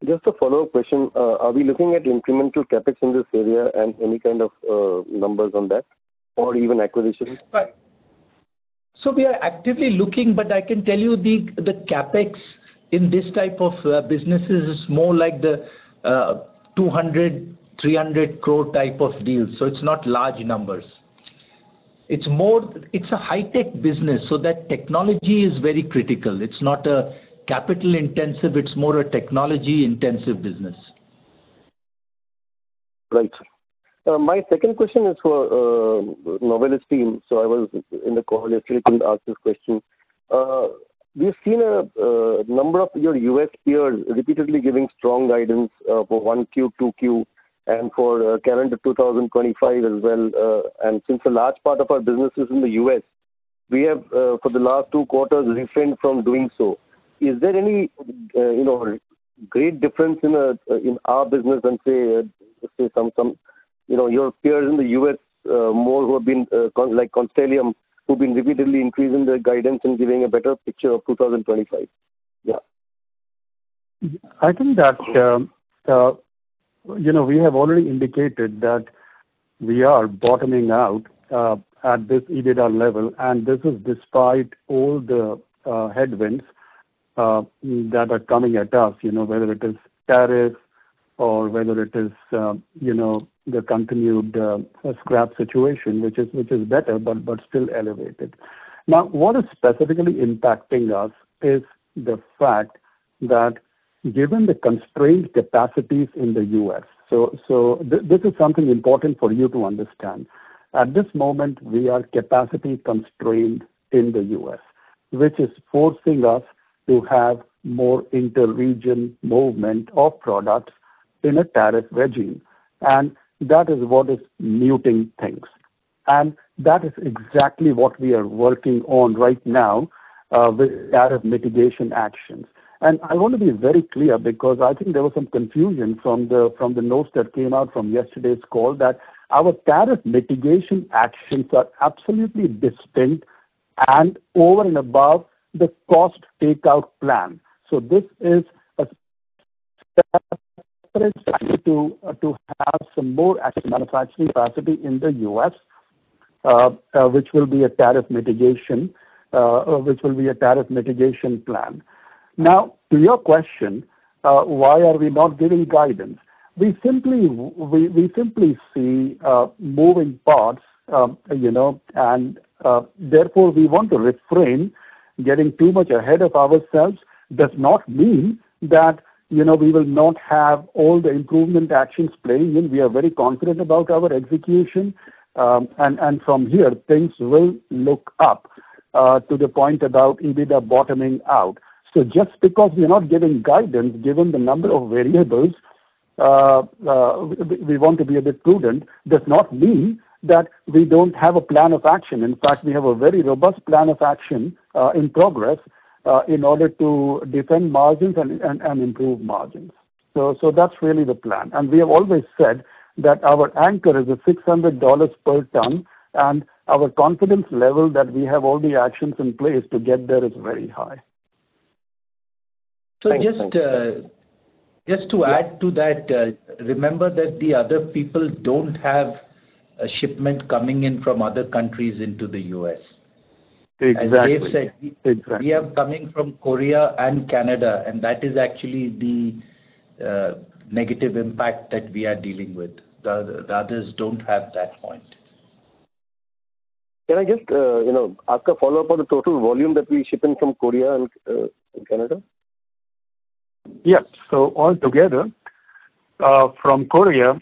Just a follow-up question. Are we looking at incremental CapEx in this area, and any kind of numbers on that or even acquisitions? We are actively looking, but I can tell you the CapEx in this type of business is more like the 200 crore, 300 crore type of deals. It's not large numbers. It's a high-tech business, so that technology is very critical. It's not capital-intensive, it's more a technology-intensive business. Right. My second question is for the Novelis team. I was in the call, actually couldn't ask this question. We've seen a number of your U.S. peers repeatedly giving strong guidance for 1Q, 2Q, and for current 2025 as well. Since a large part of our business is in the U.S., we have, for the last two quarters, refrained from doing so. Is there any great difference in our business and, say, let's say some of your peers in the U.S., more who have been like Constellium, who've been repeatedly increasing the guidance and giving a better picture of 2025? I can ask. We have already indicated that we are bottoming out at this EBITDA level, and this is despite all the headwinds that are coming at us, whether it is tariffs or the continued scrap situation, which is better, but still elevated. What is specifically impacting us is the fact that given the constrained capacities in the U.S., this is something important for you to understand. At this moment, we are capacity constrained in the U.S., which is forcing us to have more inter-region movement of products in a tariff regime. That is what is muting things. That is exactly what we are working on right now with tariff mitigation actions. I want to be very clear because I think there was some confusion from the notes that came out from yesterday's call that our tariff mitigation actions are absolutely distinct and over and above the cost takeout plan. This is a step to have some more manufacturing capacity in the U.S., which will be a tariff mitigation plan. Now, to your question, why are we not giving guidance? We simply see moving parts, and therefore, we want to refrain. Getting too much ahead of ourselves does not mean that we will not have all the improvement actions playing in. We are very confident about our execution. From here, things will look up to the point about EBITDA bottoming out. Just because we are not giving guidance, given the number of variables, we want to be a bit prudent, does not mean that we don't have a plan of action. In fact, we have a very robust plan of action in progress in order to defend margins and improve margins. That's really the plan. We have always said that our anchor is a $600 per ton, and our confidence level that we have all the actions in place to get there is very high. Just to add to that, remember that the other people don't have a shipment coming in from other countries into the U.S. Exactly. They said we have coming from Korea and Canada, and that is actually the negative impact that we are dealing with. The others don't have that point. Can I just ask a follow-up on the total volume that we ship in from Korea and Canada? Yes. Altogether, from Korea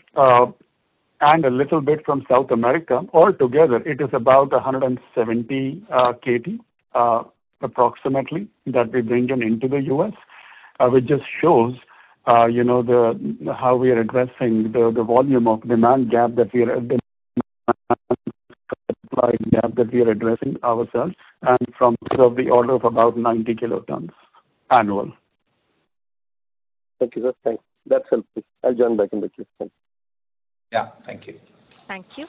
and a little bit from South America, it is about 170 KT approximately that we bring into the U.S., which just shows how we are addressing the volume of demand gap that we are addressing ourselves. From the order of about 90 KT annual. Thank you, sir. Thanks. That's helpful. I'll join back in the queue. Thanks. Yeah, thank you. Thank you.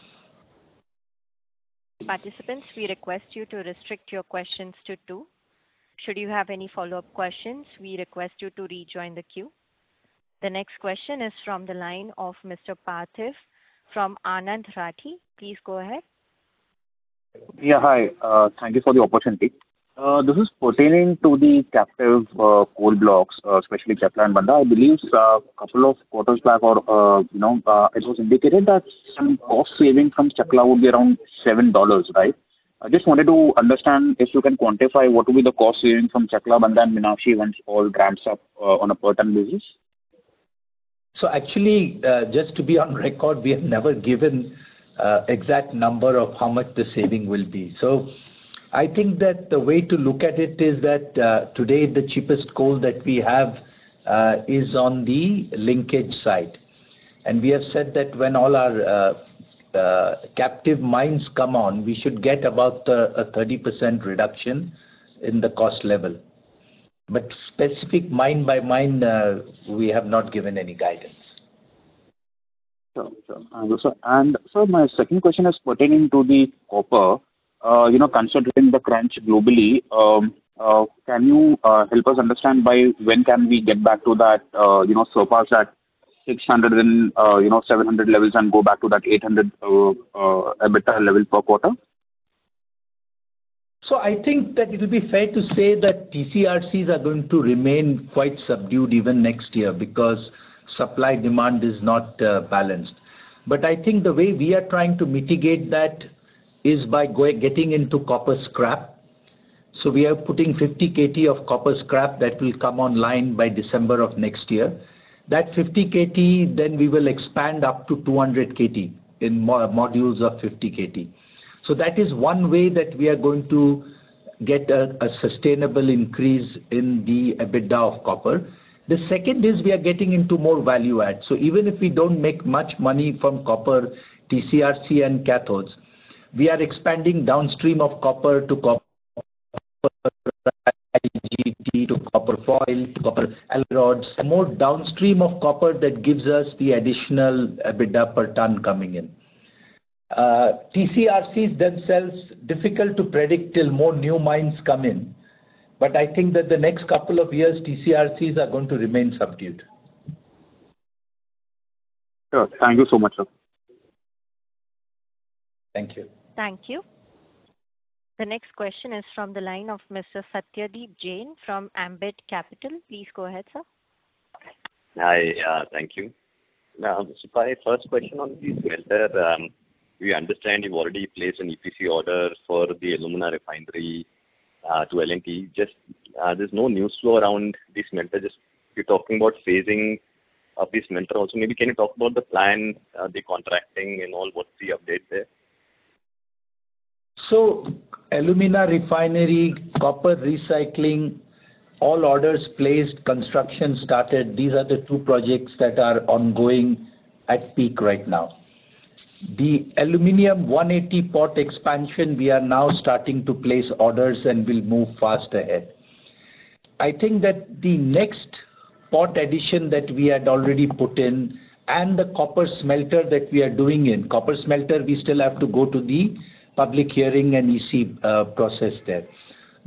Participants, we request you to restrict your questions to two. Should you have any follow-up questions, we request you to rejoin the queue. The next question is from the line of Mr. Parthiv from Anand Rathi. Please go ahead. Yeah, hi. Thank you for the opportunity. This is pertaining to the captive coal blocks, especially Chakla and Bandha. I believe a couple of quarters back, or it was indicated that some cost savings from Chakla would be around $7, right? I just wanted to understand if you can quantify what would be the cost savings from Chakla, Bandha, and Meenakshi once all ramps up on a per-ton basis? Actually, just to be on record, we have never given an exact number of how much the saving will be. I think that the way to look at it is that today, the cheapest coal that we have is on the linkage side. We have said that when all our captive mines come on, we should get about a 30% reduction in the cost level. Specific mine by mine, we have not given any guidance. Sure. My second question is pertaining to the copper, you know, concentrating the crunch globally. Can you help us understand by when can we get back to that, you know, surpass that 600 and, you know, 700 levels and go back to that 800 EBITDA level per quarter? I think that it would be fair to say that TC/RCs are going to remain quite subdued even next year because supply-demand is not balanced. I think the way we are trying to mitigate that is by getting into copper scrap. We are putting 50 KT of copper scrap that will come online by December of next year. That 50 KT, then we will expand up to 200 KT in modules of 50 KT. That is one way that we are going to get a sustainable increase in the EBITDA of copper. The second is we are getting into more value-add. Even if we don't make much money from copper, TC/RC, and cathodes, we are expanding downstream of copper to copper fragments, to copper foil, to copper alloy rods, and more downstream of copper that gives us the additional EBITDA per ton coming in. TC/RCs themselves are difficult to predict till more new mines come in. I think that the next couple of years, TC/RCs are going to remain subdued. Sure. Thank you so much, sir. Thank you. Thank you. The next question is from the line of Mr. Satyadeep Jain from AMBIT Capital. Please go ahead, sir. Hi. Thank you. Now, Mr. Pai, first question on the smelter. We understand you've already placed an EPC order for the alumina refinery to L&T. There's no news flow around the smelter. You're talking about phasing up the smelter also. Maybe can you talk about the plan, the contracting, and what's the update there? Alumina Refinery, copper recycling, all orders placed, construction started. These are the two projects that are ongoing at peak right now. The aluminium 180-pot expansion, we are now starting to place orders and will move fast ahead. I think that the next pot addition that we had already put in and the copper smelter that we are doing in, copper smelter, we still have to go to the public hearing and EC process there.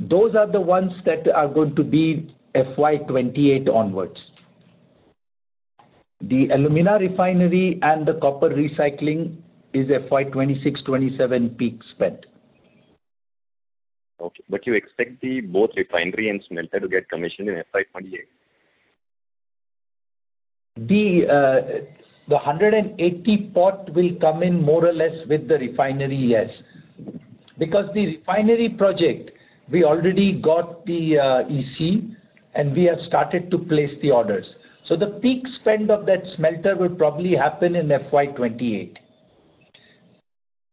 Those are the ones that are going to be FY 2028 onwards. The alumina refinery and the copper recycling is FY 2026-2027 peak spent. Okay, you expect both refinery and smelter to get commissioned in FY 2028? The 180-pot will come in more or less with the refinery, yes. Because the refinery project, we already got the EC, and we have started to place the orders. The peak spend of that smelter will probably happen in FY 2028.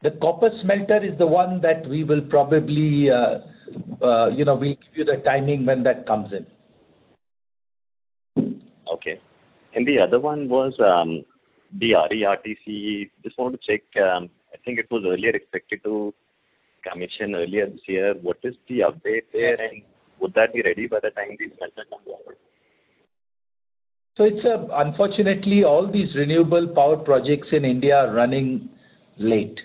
The copper smelter is the one that we will probably, you know, we'll give you the timing when that comes in. Okay. The other one was the RERTC. Just want to check. I think it was earlier expected to commission earlier this year. What is the update there? Would that be ready by the time the smelter comes out? Unfortunately, all these renewable power projects in India are running late.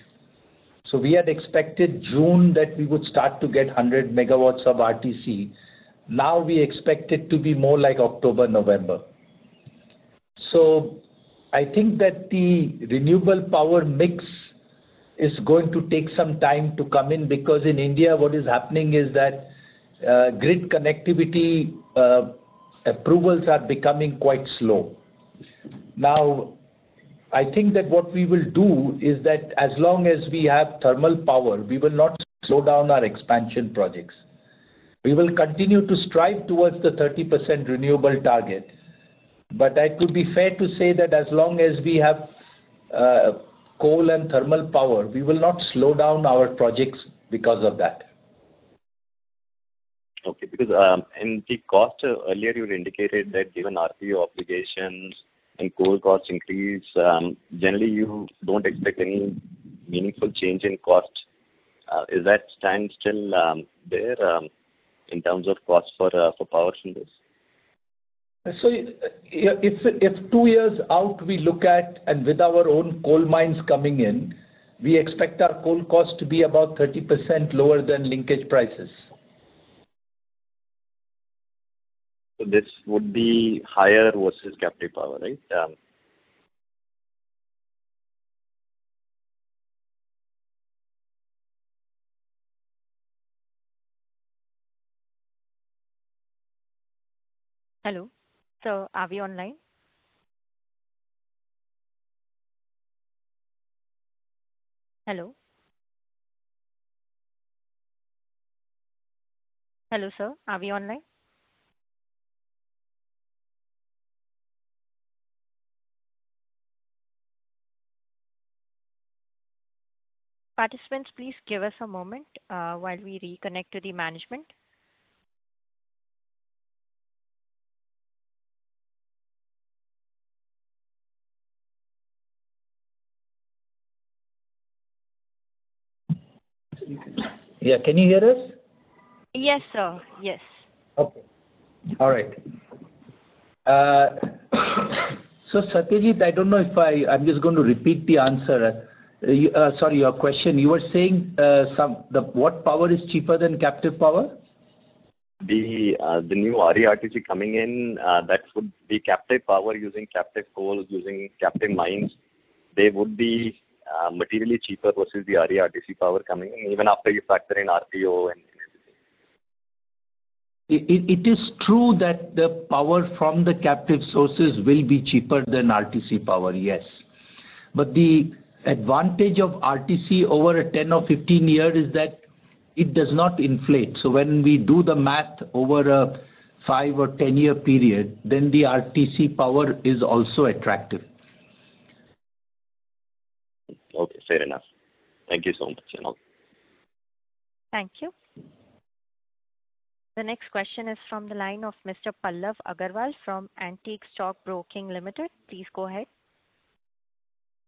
We had expected June that we would start to get 100 MW of RTC. Now we expect it to be more like October, November. I think that the renewable power mix is going to take some time to come in because in India, what is happening is that grid connectivity approvals are becoming quite slow. I think that what we will do is that as long as we have thermal power, we will not slow down our expansion projects. We will continue to strive towards the 30% renewable target. It would be fair to say that as long as we have coal and thermal power, we will not slow down our projects because of that. Okay. Because in the cost, earlier, you indicated that given RPO obligations and coal cost increase, generally, you don't expect any meaningful change in cost. Is that standstill there in terms of cost for power shields? If two years out, we look at, and with our own coal mines coming in, we expect our coal cost to be about 30% lower than linkage prices. This would be higher versus captive power, right? Hello? Sir, are we online? Hello? Hello, sir. Are we online? Participants, please give us a moment while we reconnect to the management. Yeah, can you hear us? Yes, sir. Yes. All right. Satyadeep, I don't know if I'm just going to repeat the answer. Sorry, your question. You were saying what power is cheaper than captive power? The new RERTC coming in, that would be captive power using captive coal, using captive mines. They would be materially cheaper versus the RERTC power coming in, even after you factor in RPO. It is true that the power from the captive sources will be cheaper than RTC power, yes. The advantage of RTC over a 10-15 year period is that it does not inflate. When we do the math over a 5-10-year period, the RTC power is also attractive. Okay. Fair enough. Thank you so much. Thank you. The next question is from the line of Mr. Pallav Agarwal from Antique Stock Broking Limited. Please go ahead.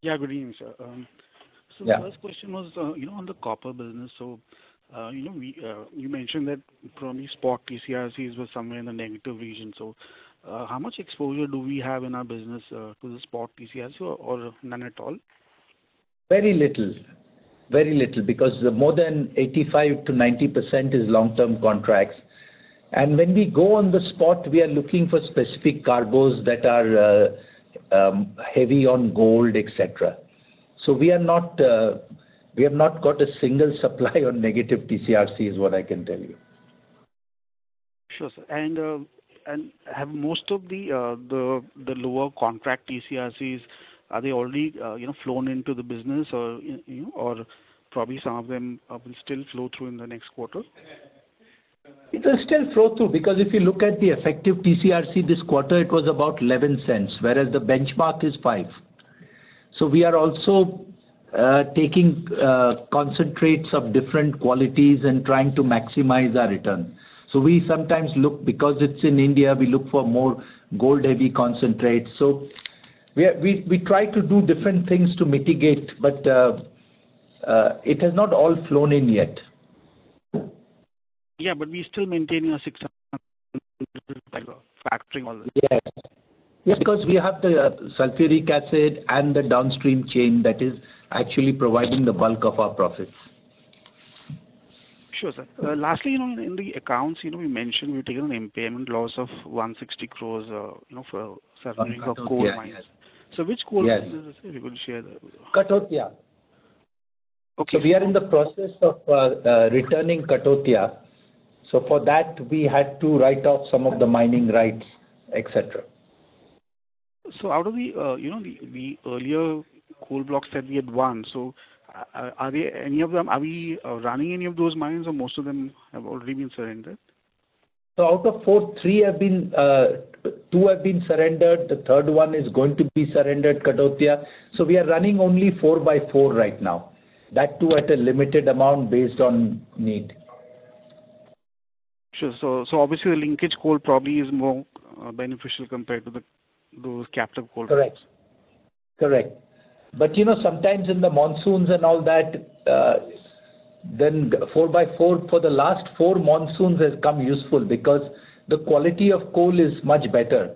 Yeah, good evening, sir. The first question was, you know, on the copper business. You mentioned that probably spot TC/RCs were somewhere in the negative region. How much exposure do we have in our business to the spot TC/RC or none at all? Very little. Very little because more than 85%-90% is long-term contracts. When we go on the spot, we are looking for specific cargos that are heavy on gold, etc. We have not got a single supply on negative TC/RC is what I can tell you. Sure, sir. Have most of the lower contract TC/RCs already flown into the business, or will some of them still flow through in the next quarter? It will still flow through because if you look at the effective TC/RC this quarter, it was about $0.11, whereas the benchmark is $0.05. We are also taking concentrates of different qualities and trying to maximize our return. We sometimes look, because it's in India, we look for more gold-heavy concentrates. We try to do different things to mitigate, but it has not all flown in yet. Yeah, we still maintain our 6% factoring all that. Yes. Yes, because we have the sulfuric acid and the downstream chain that is actually providing the bulk of our profits. Sure, sir. Lastly, in the accounts, we mentioned we're taking an impairment loss of 160 crore for several coal mines. Which coal does it say we will share? Kathautia. Okay. We are in the process of returning Kathautia. For that, we had to write off some of the mining rights, etc. Out of the earlier coal blocks that we had won, are we running any of those mines, or have most of them already been surrendered? Out of four, two have been surrendered. The third one is going to be surrendered, Kathautia. We are running only 4x4 right now, that too at a limited amount based on need. Sure. Obviously, the linkage coal probably is more beneficial compared to those captive coals. Correct. Correct. You know, sometimes in the monsoons and all that, then four by four for the last four monsoons has come useful because the quality of coal is much better.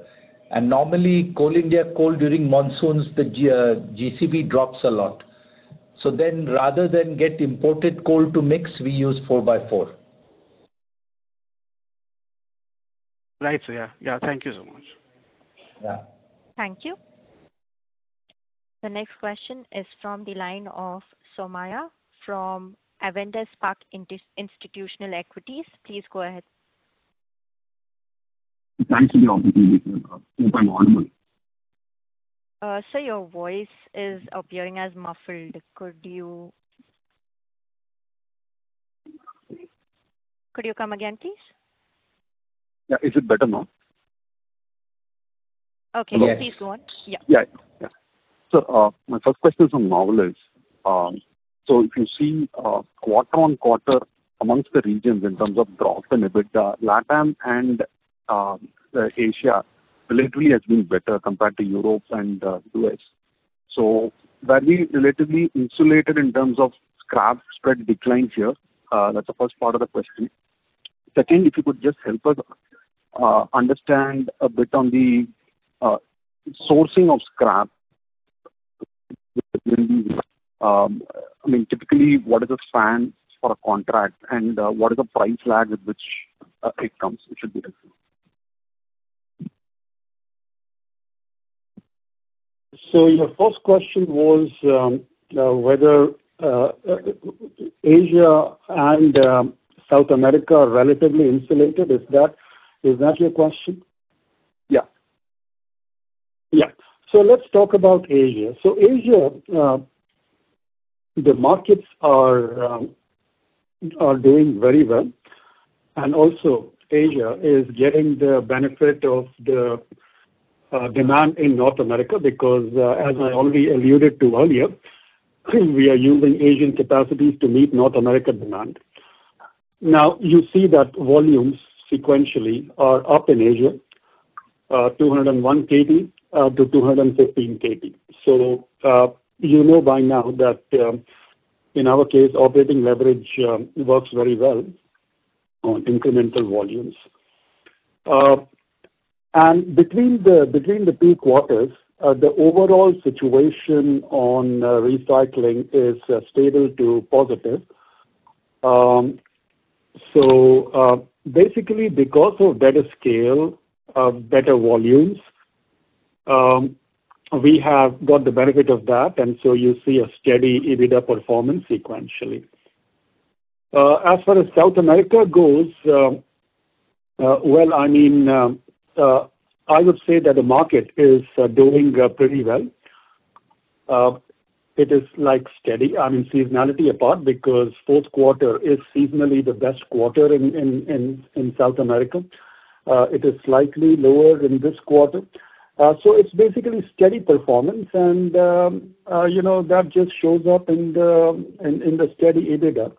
Normally, coal during monsoons, the GCB drops a lot. Rather than get imported coal to mix, we use 4x4. Right. Yeah, thank you so much. Thank you. The next question is from the line of Somaiah from Avendus Spark Institutional Equities. Please go ahead. Thank you. I'm on. Sir, your voice is appearing as muffled. Could you come again, please? Yeah, is it better now? Okay, please go on. Yeah. My first question is for Novelis. If you see quarter on quarter amongst the regions in terms of growth and EBITDA, Latin and Asia, the latter has been better compared to Europe and the U.S. That means we're relatively insulated in terms of scrap spread declines here. That's the first part of the question. Second, if you could just help us understand a bit on the sourcing of scrap, I mean, typically what is the span for a contract and what is the price lag with which it comes? Your first question was whether Asia and South America are relatively insulated. Is that your question? Yeah. Yeah. Let's talk about Asia. Asia, the markets are doing very well. Also, Asia is getting the benefit of the demand in North America because, as I already alluded to earlier, we are using Asian capacities to meet North America demand. Now, you see that volumes sequentially are up in Asia, 201 KT-215 KT. You know by now that in our case, operating leverage works very well on incremental volumes. Between the peak waters, the overall situation on recycling is stable to positive. Basically, because of better scale, better volumes, we have got the benefit of that. You see a steady EBITDA performance sequentially. As far as South America goes, I would say that the market is doing pretty well. It is steady. Seasonality apart, because fourth quarter is seasonally the best quarter in South America, it is slightly lower in this quarter. It's basically steady performance. You know that just shows up in the steady EBITDA.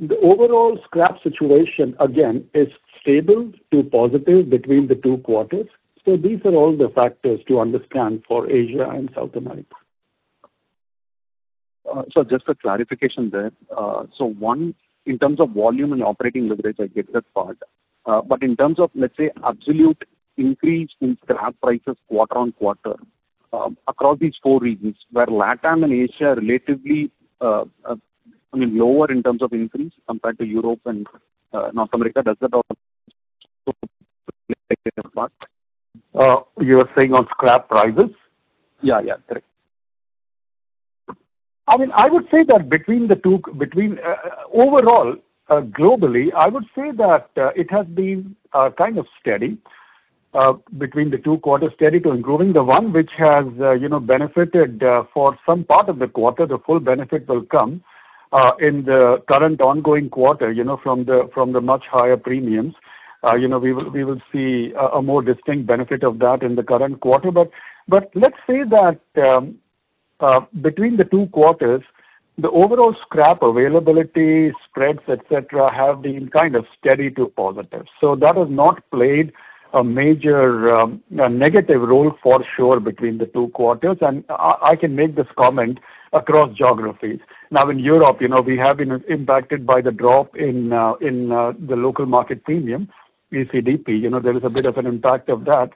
The overall scrap situation, again, is stable to positive between the two quarters. These are all the factors to understand for Asia and South America. Just a clarification there. In terms of volume and operating leverage, I get that part. In terms of, let's say, absolute increase in scrap prices quarter on quarter across these four regions where Latin and Asia are relatively, I mean, lower in terms of increase compared to Europe and North America, does that all? You're saying on scrap prices? Yeah, correct. I would say that between the two, overall, globally, it has been kind of steady between the two quarters, steady to improving. The one which has benefited for some part of the quarter, the full benefit will come in the current ongoing quarter, from the much higher premiums. We will see a more distinct benefit of that in the current quarter. Let's say that between the two quarters, the overall scrap availability, spreads, etc., have been kind of steady to positive. That has not played a major negative role for sure between the two quarters. I can make this comment across geographies. In Europe, we have been impacted by the drop in the local market premium, ECDP. There is a bit of an impact of that.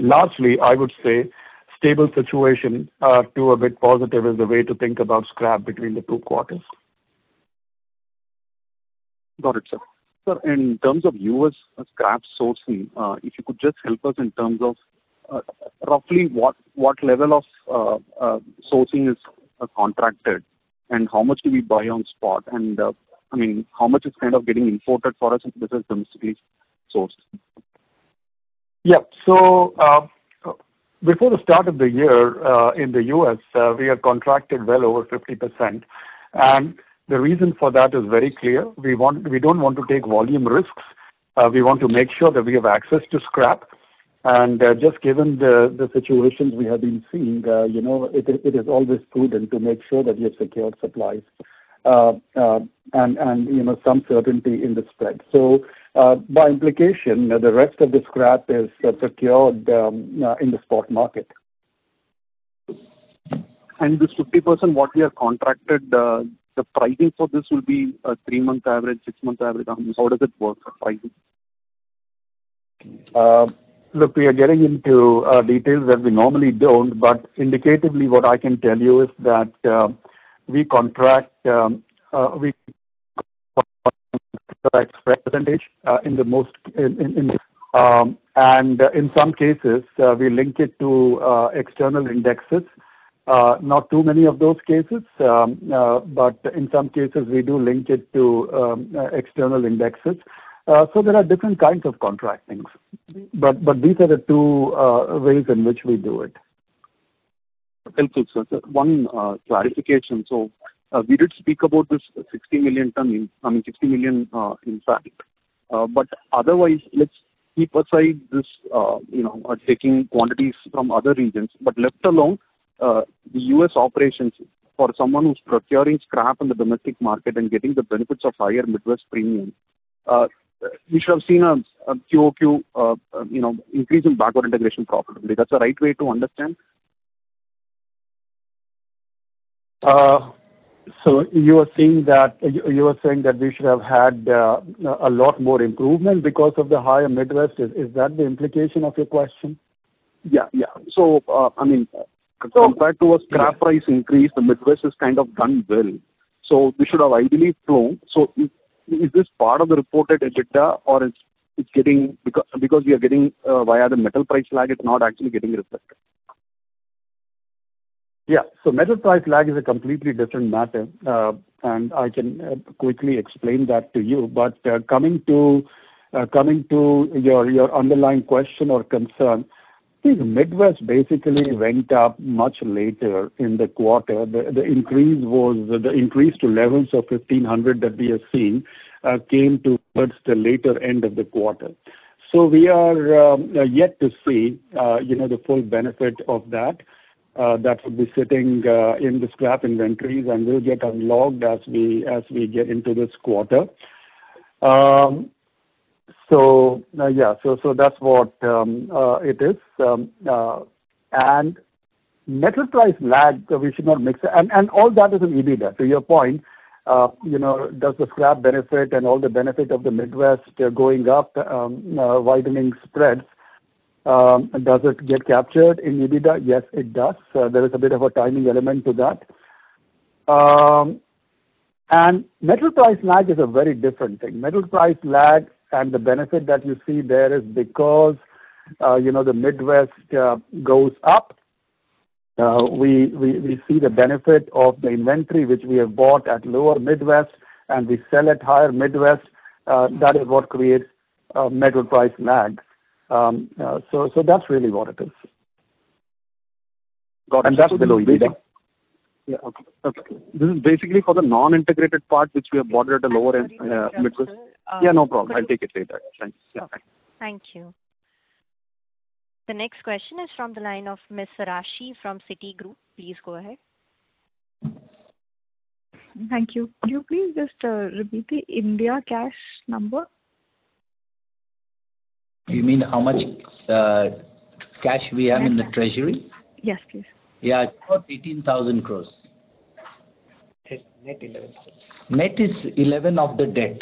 Largely, I would say stable situation to a bit positive is the way to think about scrap between the two quarters. Got it, sir. Sir, in terms of U.S. scrap sourcing, if you could just help us in terms of roughly what level of sourcing is contracted and how much do we buy on spot? I mean, how much is kind of getting imported for us instead of domestically sourced? Yeah. Before the start of the year, in the U.S., we are contracted well over 50%. The reason for that is very clear. We don't want to take volume risks. We want to make sure that we have access to scrap. Given the situations we have been seeing, it is always prudent to make sure that we have secured supplies and some certainty in the spread. By implication, the rest of the scrap is secured in the spot market. This 50%, what we are contracted, the pricing for this will be a three-month average, six-month average? How does it work? Look, we are getting into details that we normally don't, but indicatively, what I can tell you is that we contract in the most, and in some cases, we link it to external indexes. Not too many of those cases, but in some cases, we do link it to external indexes. There are different kinds of contractings, but these are the two ways in which we do it. Thank you, sir. One clarification. We did speak about this $60 million, in fact. Otherwise, let's keep aside this, you know, taking quantities from other regions. Left alone, the U.S. operations for someone who's procuring scrap in the domestic market and getting the benefits of higher Midwest Premium, you should have seen a QOQ increase in backward integration probably. That's the right way to understand? You are saying that we should have had a lot more improvement because of the higher Midwest. Is that the implication of your question? Yeah, yeah. I mean, compared to a scrap price increase, the Midwest has kind of done well. We should have ideally flown. Is this part of the reported EBITDA, or is it because we are getting via the metal price lag, it's not actually getting reflected? Yeah. Metal price lag is a completely different matter. I can quickly explain that to you. Coming to your underlying question or concern, the Midwest basically went up much later in the quarter. The increase to $1,100 or $1,500 that we have seen came towards the later end of the quarter. We are yet to see the full benefit of that. That will be sitting in the scrap inventories and will get unlocked as we get into this quarter. That's what it is. Metal price lag, we should not mix it. All that is in EBITDA. To your point, does the scrap benefit and all the benefit of the Midwest going up, widening spreads, does it get captured in EBITDA? Yes, it does. There is a bit of a timing element to that. Metal price lag is a very different thing. Metal price lag and the benefit that you see there is because the Midwest goes up. We see the benefit of the inventory, which we have bought at lower Midwest and we sell at higher Midwest. That is what creates a metal price lag. That's really what it is. Got it. That's the low EBITDA. Okay. This is basically for the non-integrated part, which we have moderate or lower end. No problem. I'll take it later. Thanks. Thank you. The next question is from the line of Ms. Raashi from Citigroup. Please go ahead. Thank you. Could you please just repeat the India cash number? You mean how much cash we have in the treasury? Yes, please. Yeah, it's about 18,000 crore. Net is 11? Net is 11 of the debt.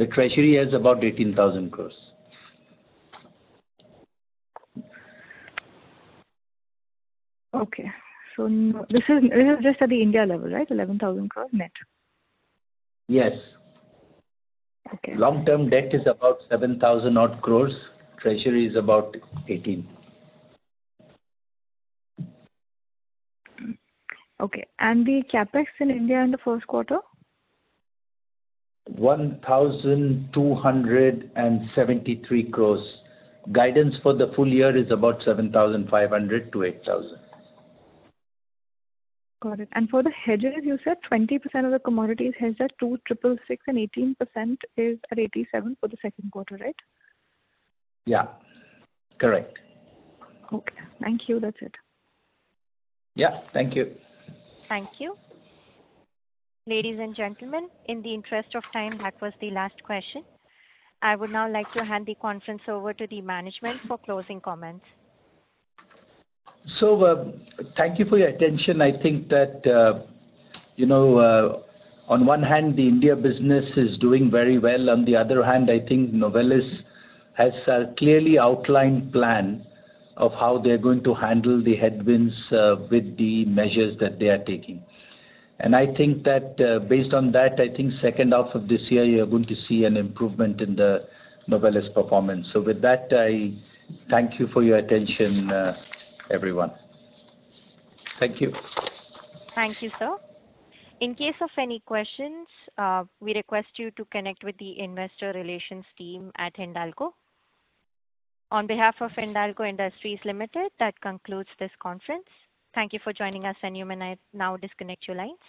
The treasury has about 18,000 crore. Okay. This is just at the India level, right? 11,000 crore net? Yes. Okay. Long-term debt is about 7,000 crore. Treasury is about 18 crore. Okay. The CapEx in India in the first quarter? 1,273 crore. Guidance for the full year is about 7,500-INR8,000 crore. Got it. For the hedges, you said 20% of the commodities hedged at $2,666 and 18% is at $87 for the second quarter, right? Yeah. Correct. Okay. Thank you. That's it. Thank you. Thank you. Ladies and gentlemen, in the interest of time, that was the last question. I would now like to hand the conference over to the management for closing comments. Thank you for your attention. I think that, you know, on one hand, the India business is doing very well. On the other hand, I think Novelis has a clearly outlined plan of how they're going to handle the headwinds with the measures that they are taking. I think that based on that, I think second half of this year, you're going to see an improvement in the Novelis performance. With that, I thank you for your attention, everyone. Thank you. Thank you, sir. In case of any questions, we request you to connect with the Investor Relations team at Hindalco. On behalf of Hindalco Industries Limited, that concludes this conference. Thank you for joining us. You may now disconnect your lines.